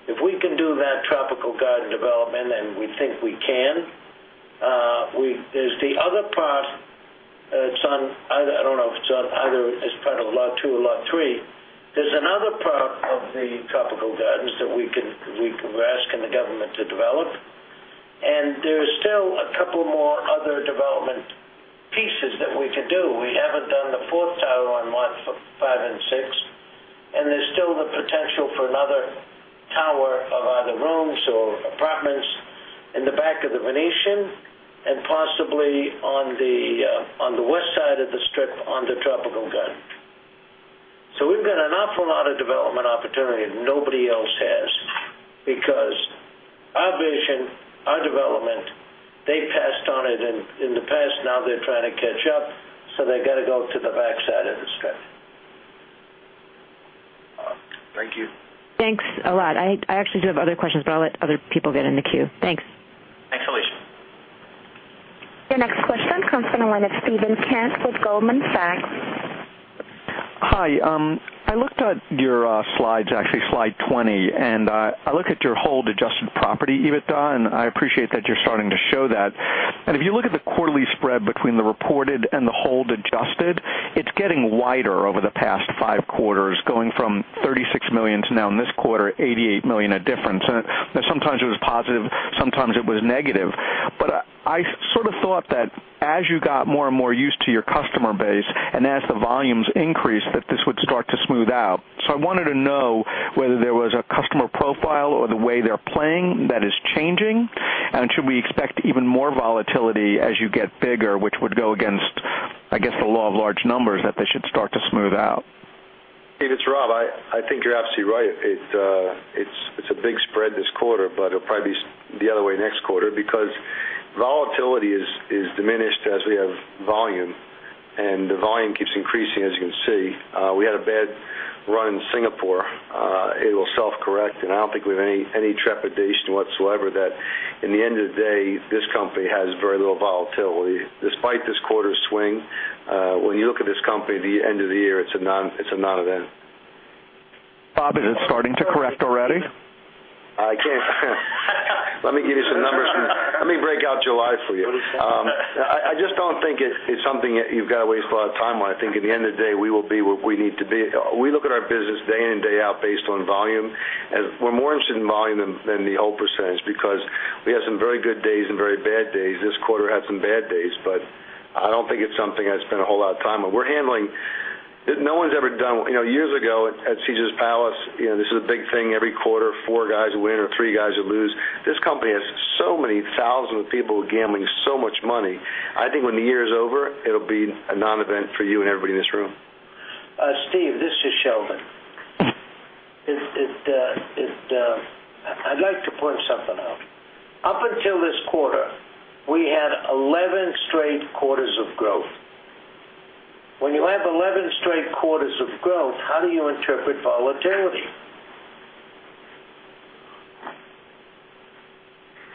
If we can do that Tropical Garden development, we think we can. There's the other part that's on, I don't know if it's on either, it's part of Lot 2 or Lot 3. There's another part of the Tropical Gardens that we're asking the government to develop. There's still a couple more other development pieces that we could do. We haven't done the fourth tower on Lot 5 and 6. There's still the potential for another tower of either rooms or apartments in the back of The Venetian, possibly on the west side of the Strip on the Tropical Garden. We've got an awful lot of development opportunity that nobody else has because our vision, our development, they passed on it in the past, now they're trying to catch up, so they've got to go to the backside of the Strip. Awesome. Thank you. Thanks a lot. I actually do have other questions, I'll let other people get in the queue. Thanks. Thanks, Felicia. Your next question comes from the line of Steven Kent with Goldman Sachs. Hi. I looked at your slides, actually slide 20, and I look at your hold adjusted property EBITDA, and I appreciate that you're starting to show that. If you look at the quarterly spread between the reported and the hold adjusted, it's getting wider over the past five quarters, going from $36 million to now in this quarter, $88 million of difference. Now, sometimes it was positive, sometimes it was negative. I sort of thought that as you got more and more used to your customer base and as the volumes increased, that this would start to smooth out. I wanted to know whether there was a customer profile or the way they're playing that is changing, and should we expect even more volatility as you get bigger, which would go against, I guess, the law of large numbers, that they should start to smooth out. Steve, it's Rob. I think you're absolutely right. It's a big spread this quarter, but it'll probably be the other way next quarter because volatility is diminished as we have volume, and the volume keeps increasing, as you can see. We had a bad run in Singapore. It'll self-correct, and I don't think we have any trepidation whatsoever that in the end of the day, this company has very little volatility. Despite this quarter's swing, when you look at this company at the end of the year, it's a non-event. Rob, is it starting to correct already? Let me give you some numbers. Let me break out July for you. I just don't think it's something that you've got to waste a lot of time on. I think in the end of the day, we will be where we need to be. We look at our business day in and day out based on volume, we're more interested in volume than the whole percentage because we have some very good days and very bad days. This quarter had some bad days, I don't think it's something I'd spend a whole lot of time on. Years ago at Caesars Palace, this was a big thing every quarter, four guys would win or three guys would lose. This company has so many thousands of people gambling so much money. I think when the year is over, it'll be a non-event for you and everybody in this room. Steven, this is Sheldon. I'd like to point something out. Up until this quarter, we had 11 straight quarters of growth. When you have 11 straight quarters of growth, how do you interpret volatility?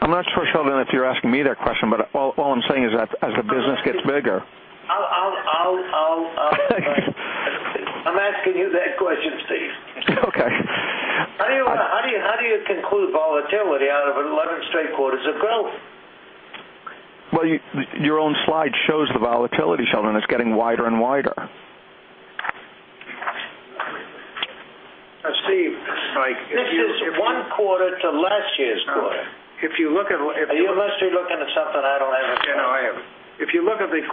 I'm not sure, Sheldon, if you're asking me that question, but all I'm saying is that as the business gets bigger. I'm asking you that question, Steve. Okay. How do you conclude volatility out of 11 straight quarters of growth? Well, your own slide shows the volatility, Sheldon. It's getting wider and wider. Steve, Mike This is one quarter to last year's quarter. If you look at Are you actually looking at something I don't have in front of me? No, I am. If you look at the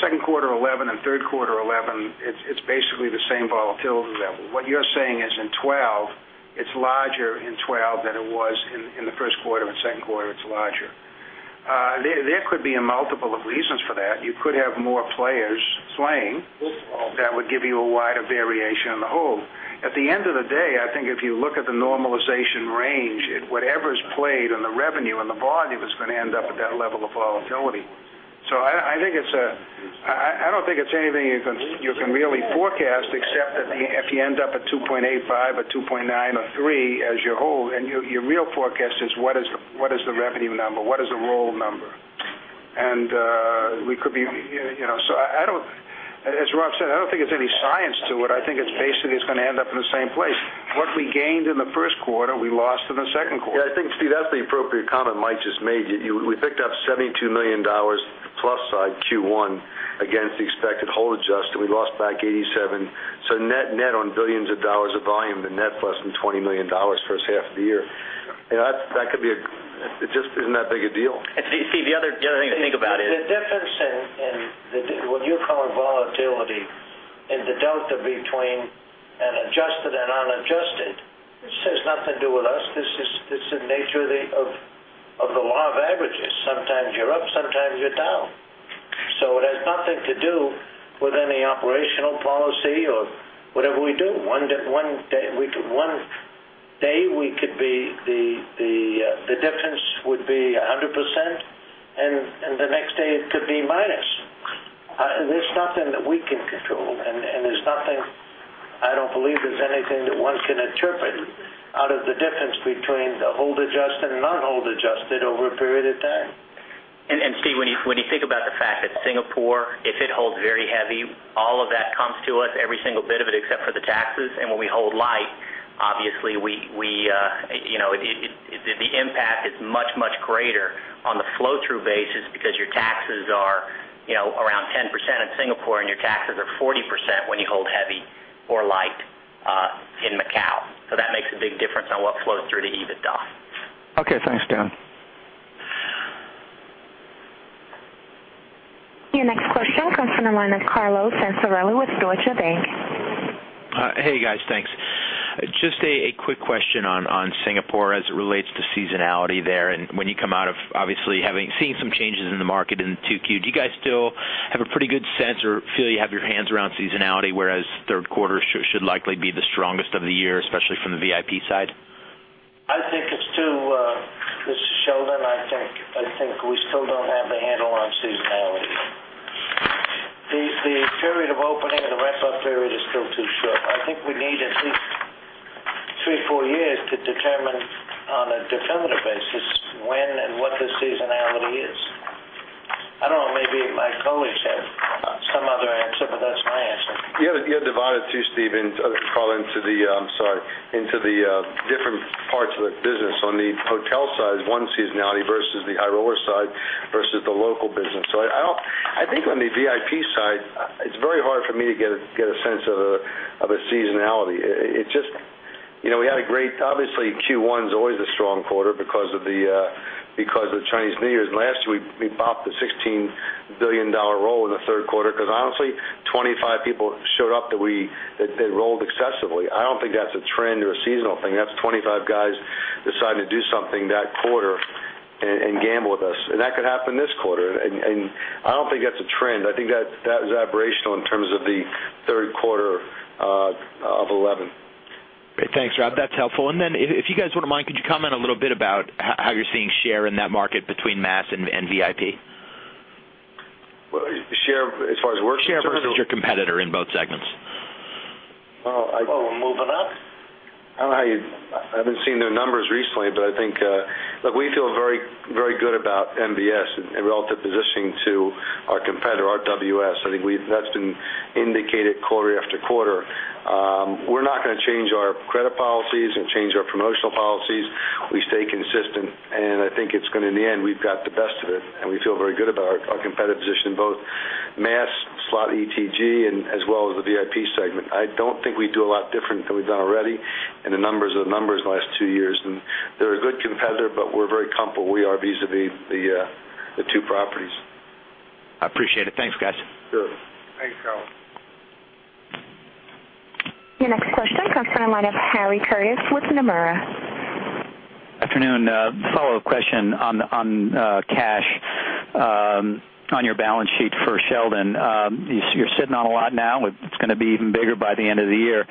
second quarter 2011 and third quarter 2011, it's basically the same volatility level. What you're saying is in 2012, it's larger in 2012 than it was in the first quarter and second quarter, it's larger. There could be a multiple of reasons for that. You could have more players playing- First of all that would give you a wider variation in the hold. At the end of the day, I think if you look at the normalization range at whatever's played in the revenue and the volume, it's going to end up at that level of volatility. I don't think it's anything you can really forecast except that if you end up at 2.85 or 2.9 or 3 as your hold, and your real forecast is what is the revenue number? What is the roll number? As Rob said, I don't think there's any science to it. I think it's basically it's going to end up in the same place. What we gained in the first quarter, we lost in the second quarter. Yeah, I think, Steve, that's the appropriate comment Mike just made. We picked up $72 million plus side Q1 against the expected hold adjust, and we lost back $87 million. Net on billions of dollars of volume, the net's less than $20 million first half of the year. It just isn't that big a deal. Steve, the other thing to think about. The difference in what you're calling volatility in the delta between an adjusted and unadjusted. This has nothing to do with us. This is the nature of the law of averages. Sometimes you're up, sometimes you're down. It has nothing to do with any operational policy or whatever we do. One day, the difference would be 100%, and the next day it could be minus. There's nothing that we can control, and I don't believe there's anything that one can interpret out of the difference between the hold adjusted and not hold adjusted over a period of time. Steve, when you think about the fact that Singapore, if it holds very heavy, all of that comes to us, every single bit of it, except for the taxes. When we hold light, obviously, the impact is much, much greater on the flow-through basis because your taxes are around 10% in Singapore, and your taxes are 40% when you hold heavy or light in Macau. That makes a big difference on what flows through to EBITDA. Okay. Thanks, Dan. Your next question comes from the line of Carlo Santarelli with Deutsche Bank. Hey, guys. Thanks. Just a quick question on Singapore as it relates to seasonality there, and when you come out of, obviously, having seen some changes in the market in 2Q. Do you guys still have a pretty good sense or feel you have your hands around seasonality, whereas third quarter should likely be the strongest of the year, especially from the VIP side? This is Sheldon. I think we still don't have a handle on seasonality. The period of opening and the ramp-up period is still too short. I think we need at least three, four years to determine on a definitive basis when and what the seasonality is. I don't know, maybe my colleagues have some other answer, that's my answer. You have to divide it too, Carlo, I'm sorry, into the different parts of the business. On the hotel side is one seasonality versus the high roller side versus the local business. I think on the VIP side, it's very hard for me to get a sense of a seasonality. Obviously, Q1 is always a strong quarter because of Chinese New Year. Last year, we bopped a $16 billion roll in the third quarter because, honestly, 25 people showed up that rolled excessively. I don't think that's a trend or a seasonal thing. That's 25 guys deciding to do something that quarter and gamble with us. That could happen this quarter. I don't think that's a trend. I think that was aberrational in terms of the third quarter of 2011. Great. Thanks, Rob. That's helpful. Then if you guys wouldn't mind, could you comment a little bit about how you're seeing share in that market between mass and VIP? Share as far as worksheets? Share versus your competitor in both segments. Oh, moving up? I haven't seen their numbers recently, but look, we feel very good about MBS and relative positioning to our competitor, RWS. I think that's been indicated quarter after quarter. We're not going to change our credit policies and change our promotional policies. We stay consistent, and I think it's going to, in the end, we've got the best of it, and we feel very good about our competitive position in both mass, slot ETG, as well as the VIP segment. I don't think we'd do a lot different than we've done already, and the numbers are the numbers the last two years. They're a good competitor, but we're very comfortable where we are vis-à-vis the two properties. I appreciate it. Thanks, guys. Sure. Thanks, Carlo. Your next question comes from the line of Harry Curtis with Nomura. Afternoon. A follow-up question on cash on your balance sheet for Sheldon. You're sitting on a lot now. It's going to be even bigger by the end of the year.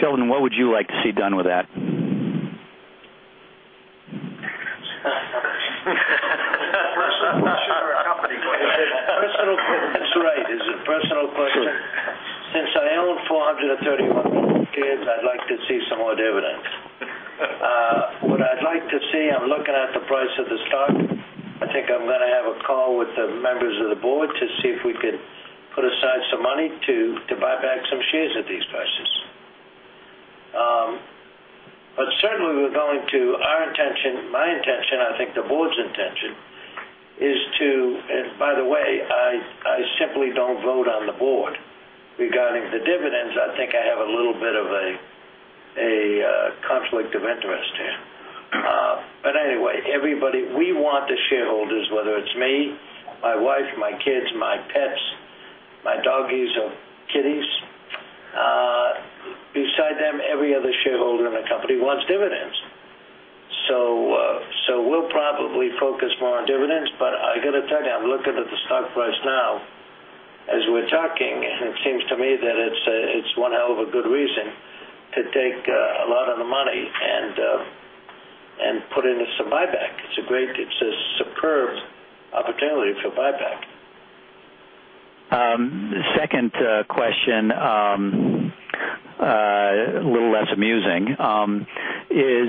Sheldon, what would you like to see done with that? Personal or company? That's right. It's a personal question. Sure. Since I own 431 million shares, I'd like to see some more dividends. What I'd like to see, I'm looking at the price of the stock. I think I'm going to have a call with the members of the board to see if we could put aside some money to buy back some shares at these prices. Certainly, our intention, my intention, I think the board's intention, and by the way, I simply don't vote on the board regarding the dividends. I think I have a little bit of a conflict of interest here. Anyway, we want the shareholders, whether it's me, my wife, my kids, my pets, my doggies or kitties. Beside them, every other shareholder in the company wants dividends. We'll probably focus more on dividends, but I got to tell you, I'm looking at the stock price now as we're talking, and it seems to me that it's one hell of a good reason to take a lot of the money and put into some buyback. It's a superb opportunity for buyback. Second question, a little less amusing, is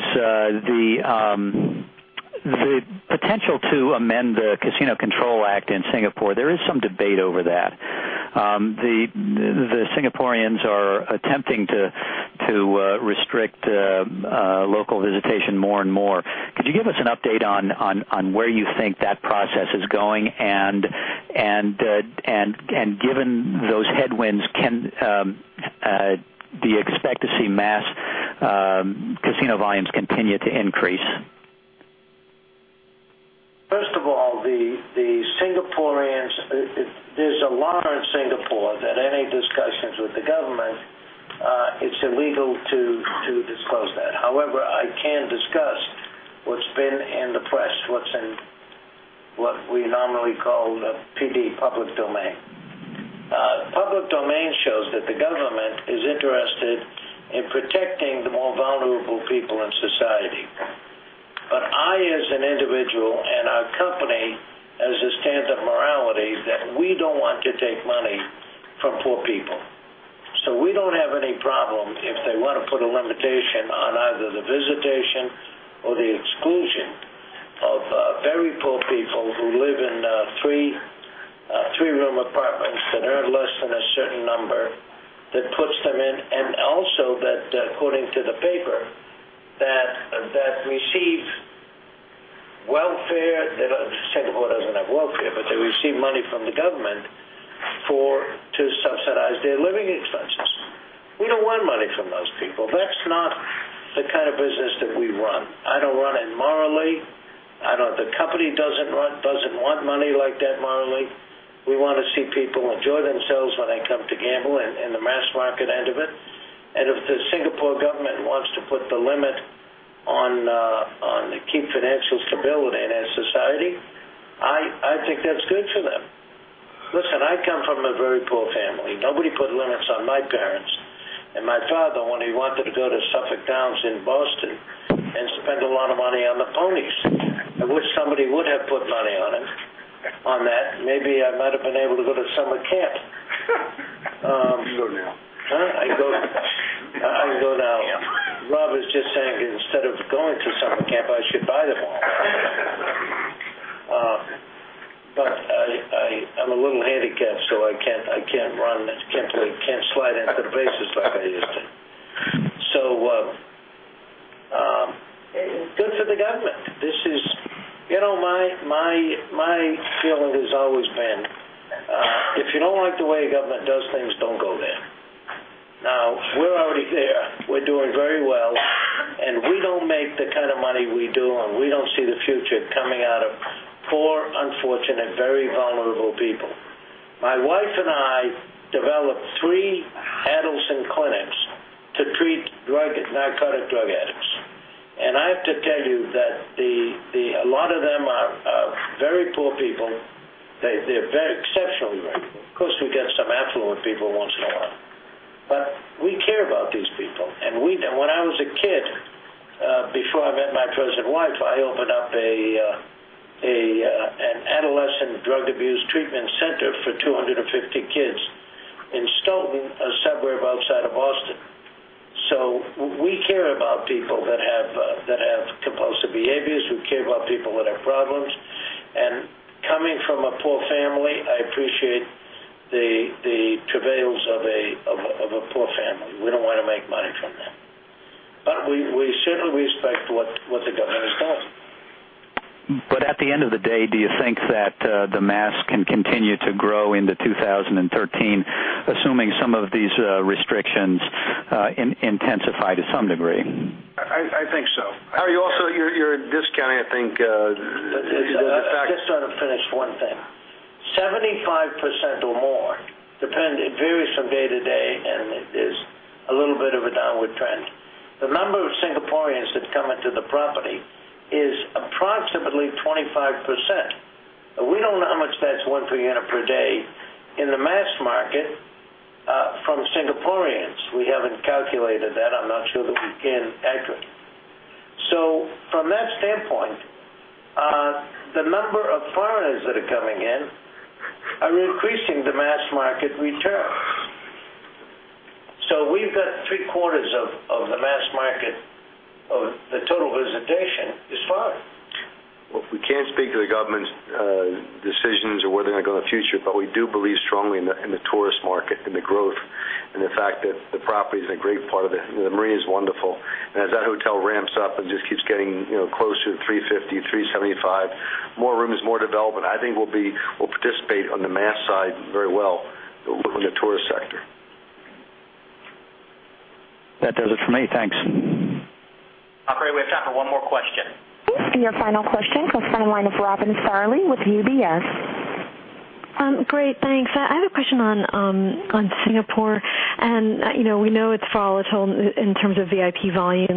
the potential to amend the Casino Control Act in Singapore. There is some debate over that. The Singaporeans are attempting to restrict local visitation more and more. Could you give us an update on where you think that process is going? Given those headwinds, do you expect to see mass casino volumes continue to increase? Singaporeans, there's a law in Singapore that any discussions with the government, it's illegal to disclose that. However, I can discuss what's been in the press, what we normally call PD, public domain. Public domain shows that the government is interested in protecting the more vulnerable people in society. I, as an individual, and our company has a stance of morality that we don't want to take money from poor people. We don't have any problem if they want to put a limitation on either the visitation or the exclusion of very poor people who live in three-room apartments that earn less than a certain number that puts them in, and also that according to the paper, that receive welfare. Singapore doesn't have welfare, but they receive money from the government to subsidize their living expenses. We don't want money from those people. That's not the kind of business that we run. I don't run it morally. The company doesn't want money like that morally. We want to see people enjoy themselves when they come to gamble in the mass market end of it. If the Singapore government wants to put the limit on the key financial stability in their society, I think that's good for them. Listen, I come from a very poor family. Nobody put limits on my parents, and my father, when he wanted to go to Suffolk Downs in Boston and spend a lot of money on the ponies. I wish somebody would have put money on that. Maybe I might have been able to go to summer camp. You go now. I go now. Rob is just saying instead of going to summer camp, I should buy the pony. I'm a little handicapped, so I can't run, can't play, can't slide into the bases like I used to. Good for the government. My feeling has always been, if you don't like the way a government does things, don't go there. We're already there. We're doing very well, we don't make the kind of money we do, we don't see the future coming out of poor, unfortunate, very vulnerable people. My wife and I developed three adolescent clinics to treat narcotic drug addicts. I have to tell you that a lot of them are very poor people. They're exceptionally very poor. Of course, we get some affluent people once in a while. We care about these people. When I was a kid, before I met my present wife, I opened up an adolescent drug abuse treatment center for 250 kids in Stoughton, a suburb outside of Boston. We care about people that have compulsive behaviors. We care about people that have problems. Coming from a poor family, I appreciate the travails of a poor family. We don't want to make money from them. We certainly respect what the government has done. At the end of the day, do you think that the mass can continue to grow into 2013, assuming some of these restrictions intensify to some degree? I think so. Harry, also, you're discounting, I think. Just let me finish one thing. 75% or more, it varies from day to day and is a little bit of a downward trend. The number of Singaporeans that come into the property is approximately 25%, and we don't know how much that's one per header per day in the mass market from Singaporeans. We haven't calculated that. I'm not sure that we can accurately. From that standpoint, the number of foreigners that are coming in are increasing the mass market return. We've got three-quarters of the mass market of the total visitation is foreign. Well, we can't speak to the government's decisions or where they're going to go in the future, but we do believe strongly in the tourist market and the growth and the fact that the property is a great part of it. The Marina is wonderful. As that hotel ramps up and just keeps getting closer to 350, 375. More rooms, more development. I think we'll participate on the mass side very well from the tourist sector. That does it for me. Thanks. Operator, we have time for one more question. Yes. Your final question comes from the line of Robin Farley with UBS. Great, thanks. I have a question on Singapore. We know it's volatile in terms of VIP volumes.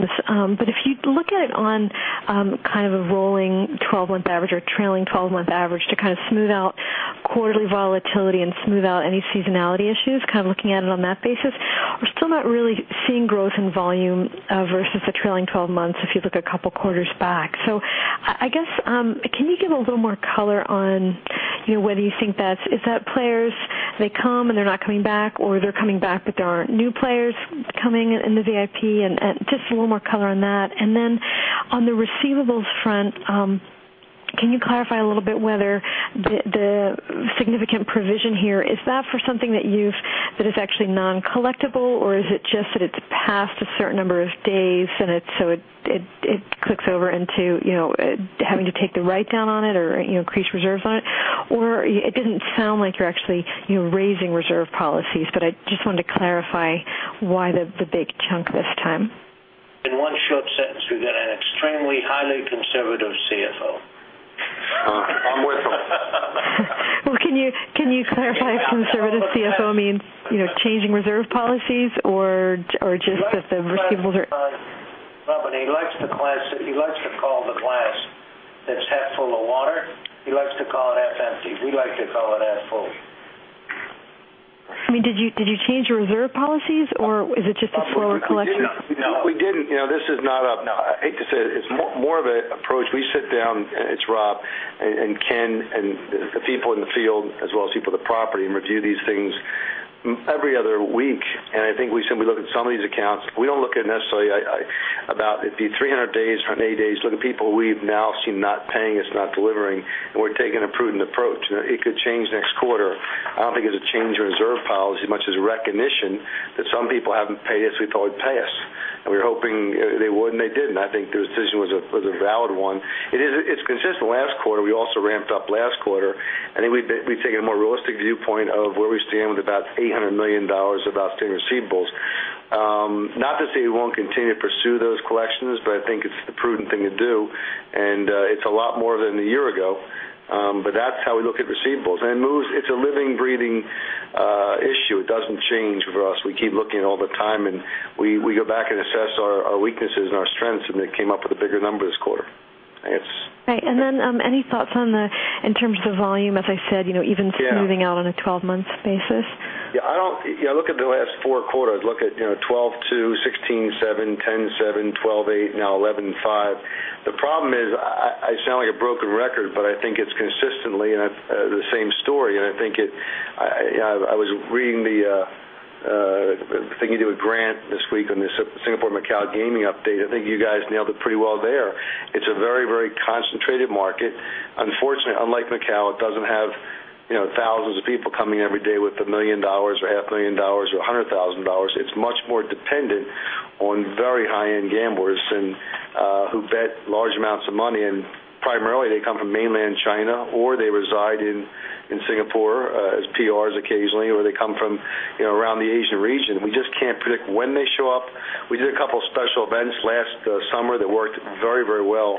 If you look at it on a rolling 12-month average or trailing 12-month average to smooth out quarterly volatility and smooth out any seasonality issues, looking at it on that basis, we're still not really seeing growth in volume versus the trailing 12 months if you look a couple of quarters back. I guess, can you give a little more color on whether you think that, is that players, they come, and they're not coming back, or they're coming back, but there aren't new players coming in the VIP? Just a little more color on that. Then on the receivables front, can you clarify a little bit whether the significant provision here, is that for something that is actually non-collectible, or is it just that it's past a certain number of days, and so it clicks over into having to take the write-down on it or increase reserves on it? It didn't sound like you're actually raising reserve policies, but I just wanted to clarify why the big chunk this time. In one short sentence, we've got an extremely highly conservative CFO. I'm with him. Well, can you clarify what conservative CFO means? Changing reserve policies or just that the receivables are? Rob, he likes to call the glass that's half full of water, he likes to call it half empty. We like to call it half full. Did you change your reserve policies or is it just a slower collection? We didn't. I hate to say it's more of an approach. We sit down, it's Rob and Ken and the people in the field as well as people at the property, and review these things every other week. I think we simply look at some of these accounts. We don't look at necessarily about it be 300 days, 180 days. The people we've now seen not paying us, not delivering, and we're taking a prudent approach. It could change next quarter. I don't think it's a change in reserve policy as much as a recognition that some people haven't paid us we thought would pay us. We're hoping they would, and they didn't. I think the decision was a valid one. It's consistent. Last quarter, we also ramped up last quarter. I think we've taken a more realistic viewpoint of where we stand with about $800 million of outstanding receivables. Not to say we won't continue to pursue those collections, but I think it's the prudent thing to do, and it's a lot more than a year ago. That's how we look at receivables. It's a living, breathing issue. It doesn't change for us. We keep looking at it all the time, and we go back and assess our weaknesses and our strengths, and they came up with a bigger number this quarter. I guess. Right. Then, any thoughts in terms of volume, as I said, even smoothing out on a 12 months basis? Yeah, look at the last four quarters. Look at 12.2, 16.7, 10.7, 12.8, now 11.5. The problem is, I sound like a broken record, but I think it's consistently the same story. I was reading the thing you do with Grant this week on the Singapore Macao gaming update. I think you guys nailed it pretty well there. It's a very, very concentrated market. Unfortunately, unlike Macao, it doesn't have thousands of people coming every day with $1 million or half a million dollars or $100,000. It's much more dependent on very high-end gamblers who bet large amounts of money, and primarily they come from mainland China, or they reside in Singapore as PRs occasionally, or they come from around the Asian region. We just can't predict when they show up. We did a couple of special events last summer that worked very, very well.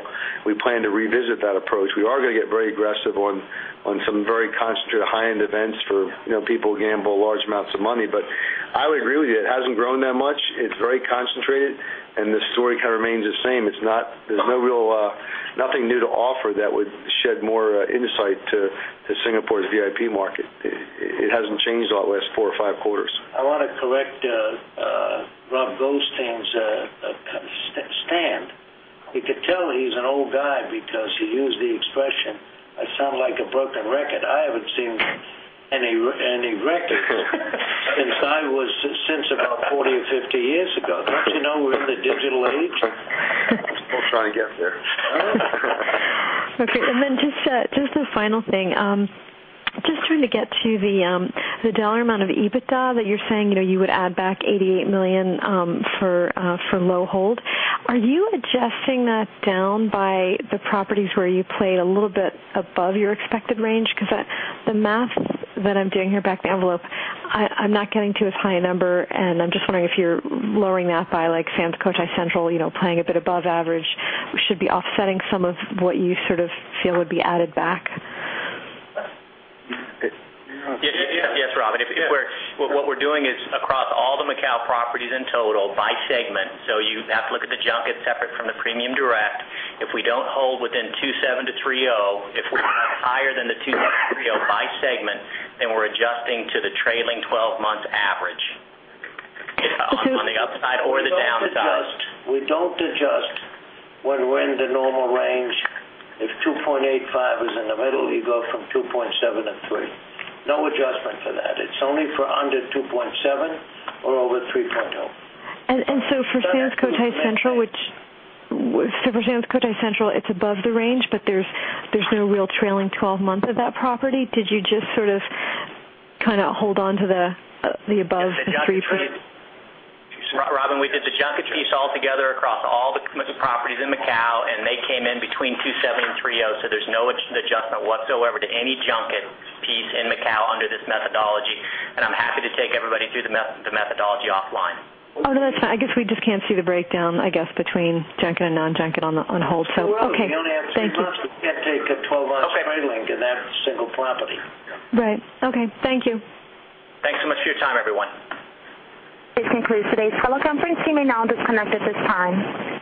I would agree with you. It hasn't grown that much. It's very concentrated, and the story kind of remains the same. There's nothing new to offer that would shed more insight to Singapore's VIP market. It hasn't changed all the last four or five quarters. I want to correct Rob Goldstein's stand. You could tell he's an old guy because he used the expression, "I sound like a broken record." I haven't seen any record since about 40 or 50 years ago. Don't you know we're in the digital age? We're trying to get there. Okay, just a final thing. Just trying to get to the dollar amount of EBITDA that you're saying, you would add back $88 million for low hold. Are you adjusting that down by the properties where you played a little bit above your expected range? The math that I'm doing here back of the envelope, I'm not getting to as high a number, and I'm just wondering if you're lowering that by Sands Cotai Central playing a bit above average, which should be offsetting some of what you sort of feel would be added back. Yes, Robin. What we're doing is across all the Macao properties in total by segment. You have to look at the junket separate from the premium direct. If we don't hold within 2.7 to 3.0, if we come out higher than the 2.7 to 3.0 by segment, we're adjusting to the trailing 12-month average on the upside or the downside. We don't adjust when we're in the normal range. If 2.85 is in the middle, you go from 2.7 to 3.0. No adjustment for that. It's only for under 2.7 or over 3.0. For Sands Cotai Central, it's above the range, but there's no real trailing 12 months of that property. Did you just sort of hold on to the above 3.0? Robin, we did the junket piece all together across all the properties in Macao. They came in between 2.7 and 3.0, so there is no adjustment whatsoever to any junket piece in Macao under this methodology. I am happy to take everybody through the methodology offline. Oh, no, that is fine. I guess we just can't see the breakdown, I guess, between junket and non-junket on hold. Okay. Thank you. We only have three months. We can't take a 12-month trailing in that single property. Right. Okay. Thank you. Thanks so much for your time, everyone. This concludes today's teleconference. You may now disconnect at this time.